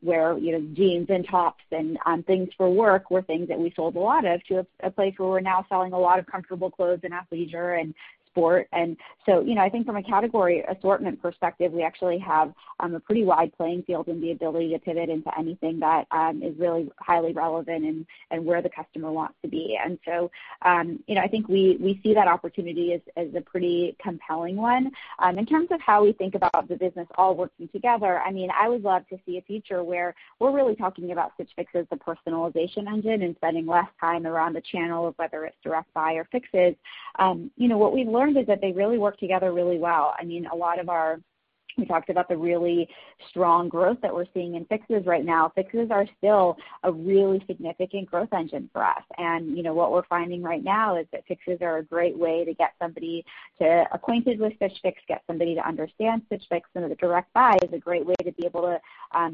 C: where jeans and tops and things for work were things that we sold a lot of to a place where we're now selling a lot of comfortable clothes and athleisure and sport. And so I think from a category assortment perspective, we actually have a pretty wide playing field and the ability to pivot into anything that is really highly relevant and where the customer wants to be. And so I think we see that opportunity as a pretty compelling one. In terms of how we think about the business all working together, I mean, I would love to see a future where we're really talking about Stitch Fix as the personalization engine and spending less time around the channel of whether it's Direct Buy or Fixes. What we've learned is that they really work together really well. I mean, a lot of what we talked about the really strong growth that we're seeing in Fixes right now. Fixes are still a really significant growth engine for us. And what we're finding right now is that Fixes are a great way to get somebody acquainted with Stitch Fix, get somebody to understand Stitch Fix, and the Direct Buy is a great way to be able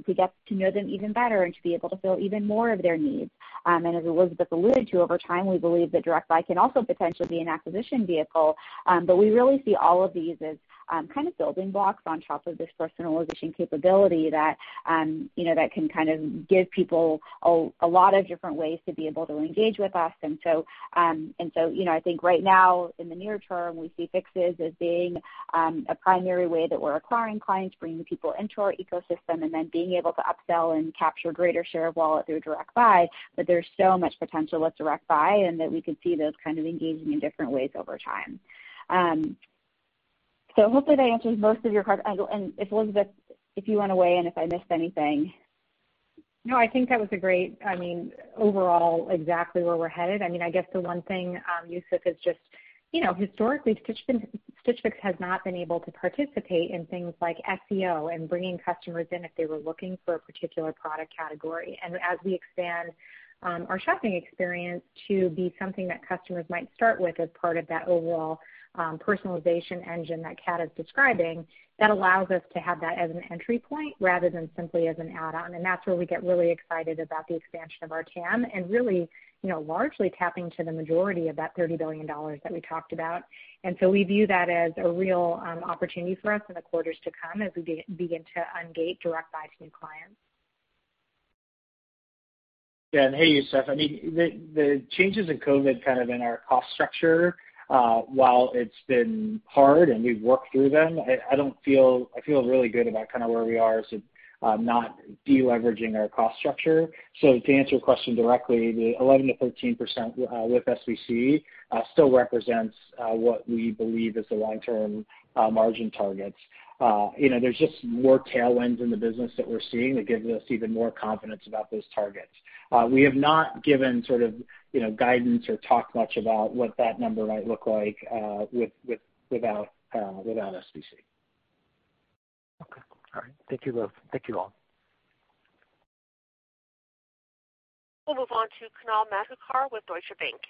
C: to get to know them even better and to be able to fill even more of their needs. And as Elizabeth alluded to, over time, we believe that Direct Buy can also potentially be an acquisition vehicle. But we really see all of these as kind of building blocks on top of this personalization capability that can kind of give people a lot of different ways to be able to engage with us. And so I think right now, in the near term, we see Fixes as being a primary way that we're acquiring clients, bringing people into our ecosystem, and then being able to upsell and capture a greater share of wallet through Direct Buy. But there's so much potential with Direct Buy and that we could see those kind of engaging in different ways over time. So hopefully, that answers most of your questions. And Elizabeth, if you want to weigh in if I missed anything.
D: No, I think that was a great. I mean, overall, exactly where we're headed. I mean, I guess the one thing, Youssef, is just historically, Stitch Fix has not been able to participate in things like SEO and bringing customers in if they were looking for a particular product category. And as we expand our shopping experience to be something that customers might start with as part of that overall personalization engine that Kat is describing, that allows us to have that as an entry point rather than simply as an add-on. And that's where we get really excited about the expansion of our TAM and really largely tapping to the majority of that $30 billion that we talked about. And so we view that as a real opportunity for us in the quarters to come as we begin to ungate Direct Buy to new clients.
E: Yeah. And hey, Youssef, I mean, the changes in COVID kind of in our cost structure, while it's been hard and we've worked through them, I feel really good about kind of where we are as not deleveraging our cost structure. So to answer your question directly, the 11%-13% with SBC still represents what we believe is the long-term margin targets. There's just more tailwinds in the business that we're seeing that gives us even more confidence about those targets. We have not given sort of guidance or talked much about what that number might look like without SBC.
L: Okay. All right. Thank you both. Thank you all.
A: We'll move on to Kunal Madhukar with Deutsche Bank.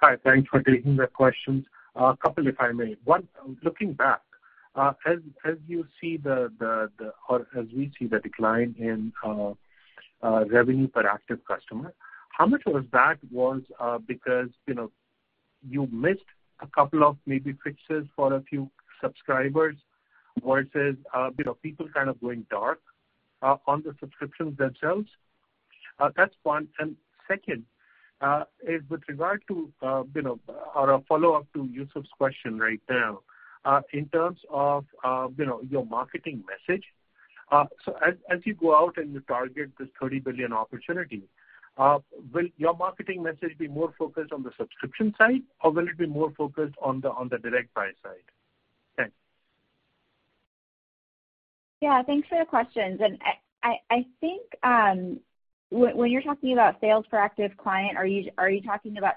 M: Hi. Thanks for taking the questions. A couple, if I may. Looking back, as you see the or as we see the decline in revenue per active customer, how much of that was because you missed a couple of maybe fixes for a few subscribers versus people kind of going dark on the subscriptions themselves? That's one. And second is with regard to or a follow-up to Youssef's question right now, in terms of your marketing message, so as you go out and you target this $30 billion opportunity, will your marketing message be more focused on the subscription side, or will it be more focused on the Direct Buy side? Thanks.
C: Yeah. Thanks for the questions. And I think when you're talking about sales per active client, are you talking about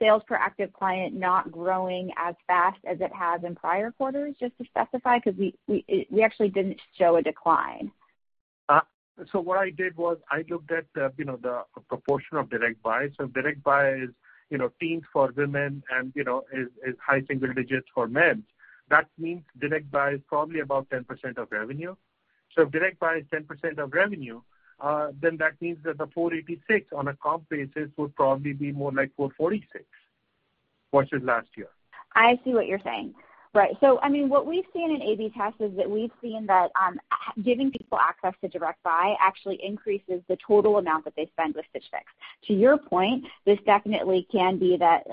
C: sales per active client not growing as fast as it has in prior quarters? Just to specify because we actually didn't show a decline.
M: So what I did was I looked at the proportion of Direct Buy. Direct Buy is teens for women and is high single digits for men. That means Direct Buy is probably about 10% of revenue. So if Direct Buy is 10% of revenue, then that means that the 486 on a comp basis would probably be more like 446 versus last year. I see what you're saying. Right. So I mean, what we've seen in A/B tests is that we've seen that giving people access to Direct Buy actually increases the total amount that they spend with Stitch Fix. To your point, this definitely can be that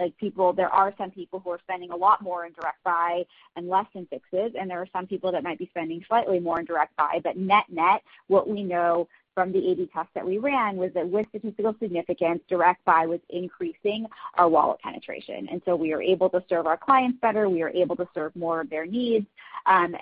M: there are some people who are spending a lot more in Direct Buy and less in Fixes, and there are some people that might be spending slightly more in Direct Buy. But net-net, what we know from the A/B test that we ran was that with statistical significance, Direct Buy was increasing our wallet penetration. And so we were able to serve our clients better. We were able to serve more of their needs. And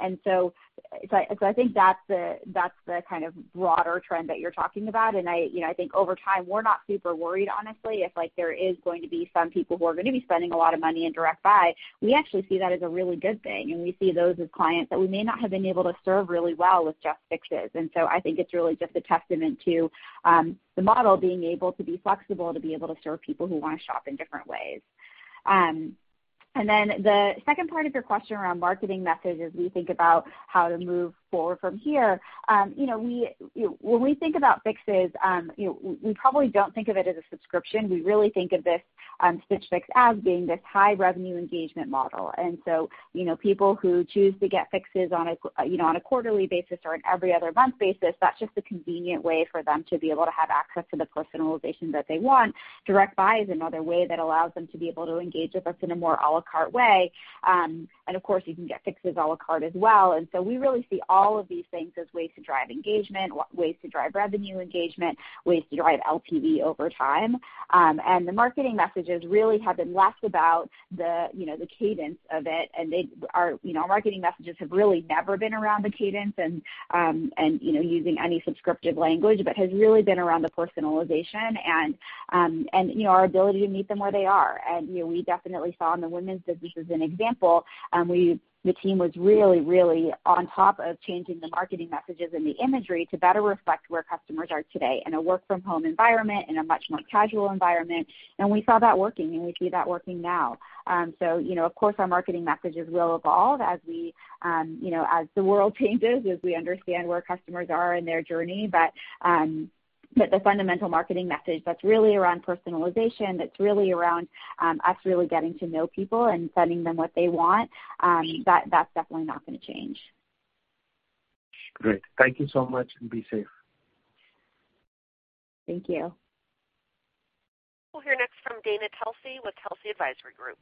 M: so I think that's the kind of broader trend that you're talking about. And I think over time, we're not super worried, honestly. If there is going to be some people who are going to be spending a lot of money in Direct Buy, we actually see that as a really good thing. And we see those as clients that we may not have been able to serve really well with just Fixes. And so I think it's really just a testament to the model being able to be flexible, to be able to serve people who want to shop in different ways. And then the second part of your question around marketing message as we think about how to move forward from here, when we think about fixes, we probably don't think of it as a subscription. We really think of this Stitch Fix as being this high revenue engagement model. And so people who choose to get fixes on a quarterly basis or an every other month basis, that's just a convenient way for them to be able to have access to the personalization that they want. Direct Buy is another way that allows them to be able to engage with us in a more à la carte way. And of course, you can get fixes à la carte as well. And so we really see all of these things as ways to drive engagement, ways to drive revenue engagement, ways to drive LTV over time. And the marketing messages really have been less about the cadence of it. And our marketing messages have really never been around the cadence and using any subscription language, but has really been around the personalization and our ability to meet them where they are. And we definitely saw in the women's business as an example, the team was really, really on top of changing the marketing messages and the imagery to better reflect where customers are today in a work-from-home environment, in a much more casual environment. And we saw that working, and we see that working now. So of course, our marketing messages will evolve as the world changes, as we understand where customers are in their journey. But the fundamental marketing message that's really around personalization, that's really around us really getting to know people and sending them what they want, that's definitely not going to change. Great. Thank you so much, and be safe.
C: Thank you.
A: We'll hear next from Dana Telsey with Telsey Advisory Group.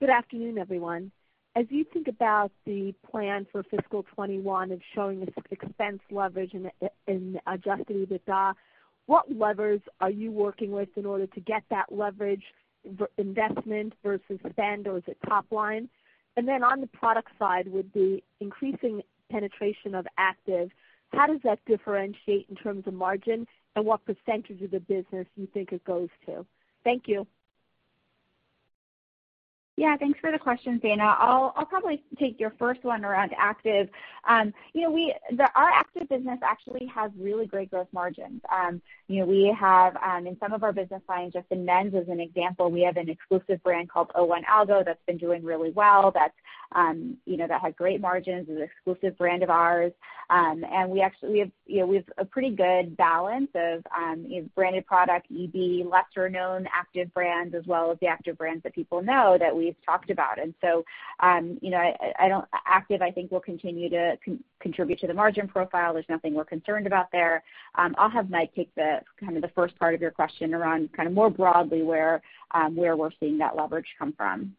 N: Good afternoon, everyone. As you think about the plan for fiscal 2021 and showing us expense leverage and adjusted EBITDA, what levers are you working with in order to get that leverage investment versus spend, or is it top line? And then on the product side would be increasing penetration of active. How does that differentiate in terms of margin, and what percentage of the business do you think it goes to? Thank you.
C: Yeah. Thanks for the question, Dana. I'll probably take your first one around active. Our active business actually has really great growth margins. We have, in some of our business lines, just in men's as an example, we have an exclusive brand called 01.Algo that's been doing really well, that has great margins, is an exclusive brand of ours. And we have a pretty good balance of branded product, EB, lesser-known active brands, as well as the active brands that people know that we've talked about. And so active, I think, will continue to contribute to the margin profile. There's nothing we're concerned about there. I'll have Mike take kind of the first part of your question around kind of more broadly where we're seeing that leverage come from.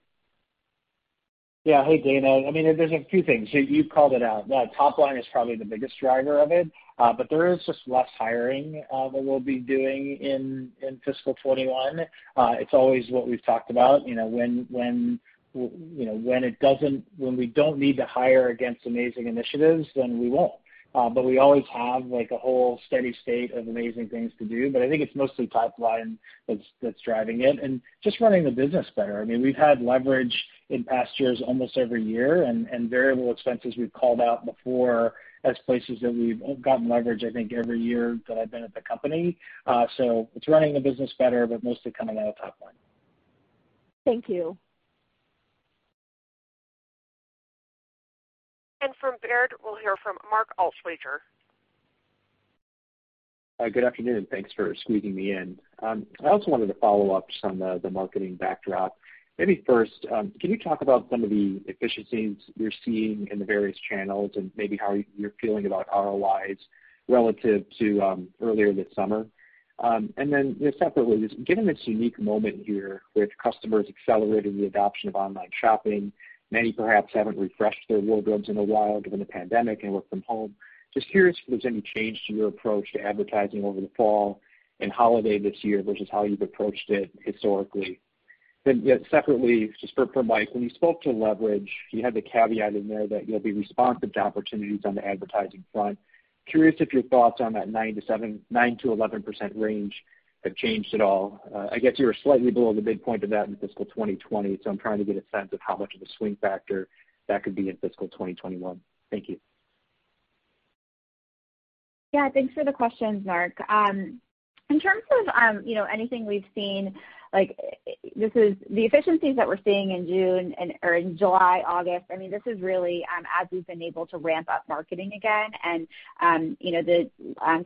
E: Yeah. Hey, Dana. I mean, there's a few things. You've called it out. Top line is probably the biggest driver of it. But there is just less hiring that we'll be doing in fiscal 2021. It's always what we've talked about. When we don't need to hire against amazing initiatives, then we won't. But we always have a whole steady state of amazing things to do. But I think it's mostly top line that's driving it and just running the business better. I mean, we've had leverage in past years almost every year, and variable expenses we've called out before as places that we've gotten leverage, I think, every year that I've been at the company. So it's running the business better, but mostly coming out of top line.
N: Thank you.
A: From Baird, we'll hear from Mark Altschwager.
O: Hi. Good afternoon. Thanks for squeezing me in. I also wanted to follow up on some of the marketing backdrop. Maybe first, can you talk about some of the efficiencies you're seeing in the various channels and maybe how you're feeling about ROIs relative to earlier this summer? And then separately, given this unique moment here with customers accelerating the adoption of online shopping, many perhaps haven't refreshed their wardrobes in a while given the pandemic and work from home, just curious if there's any change to your approach to advertising over the fall and holiday this year versus how you've approached it historically. Then separately, just for Mike, when you spoke to leverage, you had the caveat in there that you'll be responsive to opportunities on the advertising front. Curious if your thoughts on that 9%-11% range have changed at all. I guess you were slightly below the midpoint of that in fiscal 2020, so I'm trying to get a sense of how much of a swing factor that could be in fiscal 2021. Thank you.
C: Yeah. Thanks for the questions, Mark. In terms of anything we've seen, the efficiencies that we're seeing in June or in July, August, I mean, this is really as we've been able to ramp up marketing again. And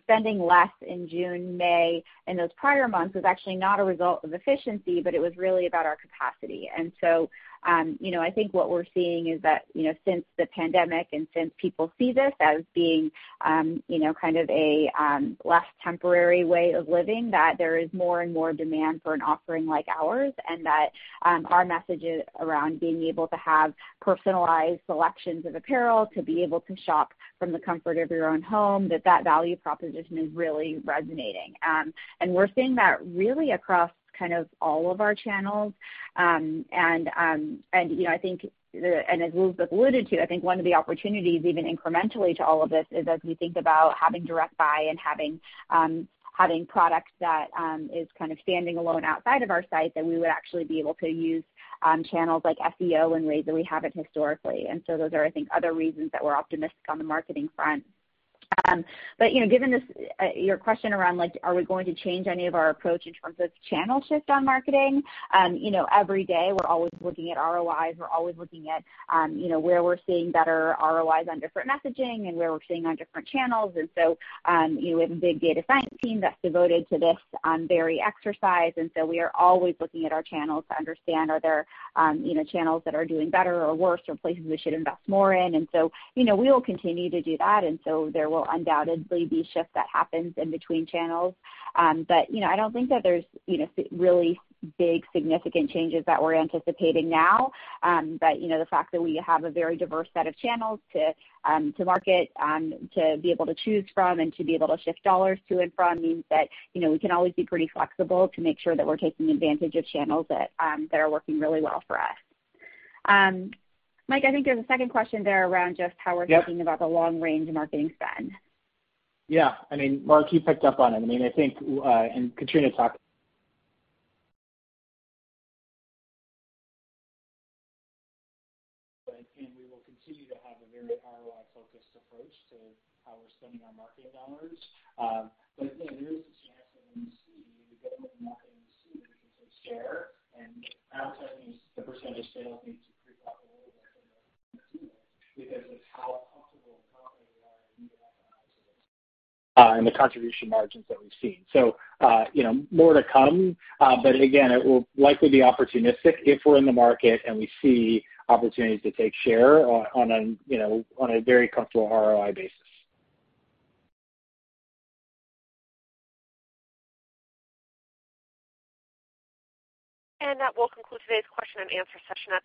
C: spending less in June, May, in those prior months was actually not a result of efficiency, but it was really about our capacity. And so I think what we're seeing is that since the pandemic and since people see this as being kind of a less temporary way of living, that there is more and more demand for an offering like ours, and that our message around being able to have personalized selections of apparel, to be able to shop from the comfort of your own home, that that value proposition is really resonating. And we're seeing that really across kind of all of our channels. I think, and as Youssef alluded to, I think one of the opportunities even incrementally to all of this is as we think about having Direct Buy and having product that is kind of standing alone outside of our site that we would actually be able to use channels like SEO in ways that we haven't historically. And so those are, I think, other reasons that we're optimistic on the marketing front. But given your question around, are we going to change any of our approach in terms of channel shift on marketing? Every day, we're always looking at ROIs. We're always looking at where we're seeing better ROIs on different messaging and where we're seeing on different channels. And so we have a big data science team that's devoted to this very exercise. We are always looking at our channels to understand, are there channels that are doing better or worse or places we should invest more in? We will continue to do that. There will undoubtedly be a shift that happens in between channels. I don't think that there's really big significant changes that we're anticipating now. The fact that we have a very diverse set of channels to market, to be able to choose from, and to be able to shift dollars to and from means that we can always be pretty flexible to make sure that we're taking advantage of channels that are working really well for us. Mike, I think there's a second question there around just how we're thinking about the long-range marketing spend.
E: Yeah. I mean, Mark, you picked up on it. I mean, I think, and Katrina talked. We will continue to have a very ROI-focused approach to how we're spending our marketing dollars. But there is a chance that we see the incremental marketing spend that we can take share and advertising as a percentage of sales needs to creep up a little bit because of how comfortable and confident we are in the advertising. And the contribution margins that we've seen. So more to come. But again, it will likely be opportunistic if we're in the market and we see opportunities to take share on a very comfortable ROI basis.
A: And that will conclude today's question-and-answer session.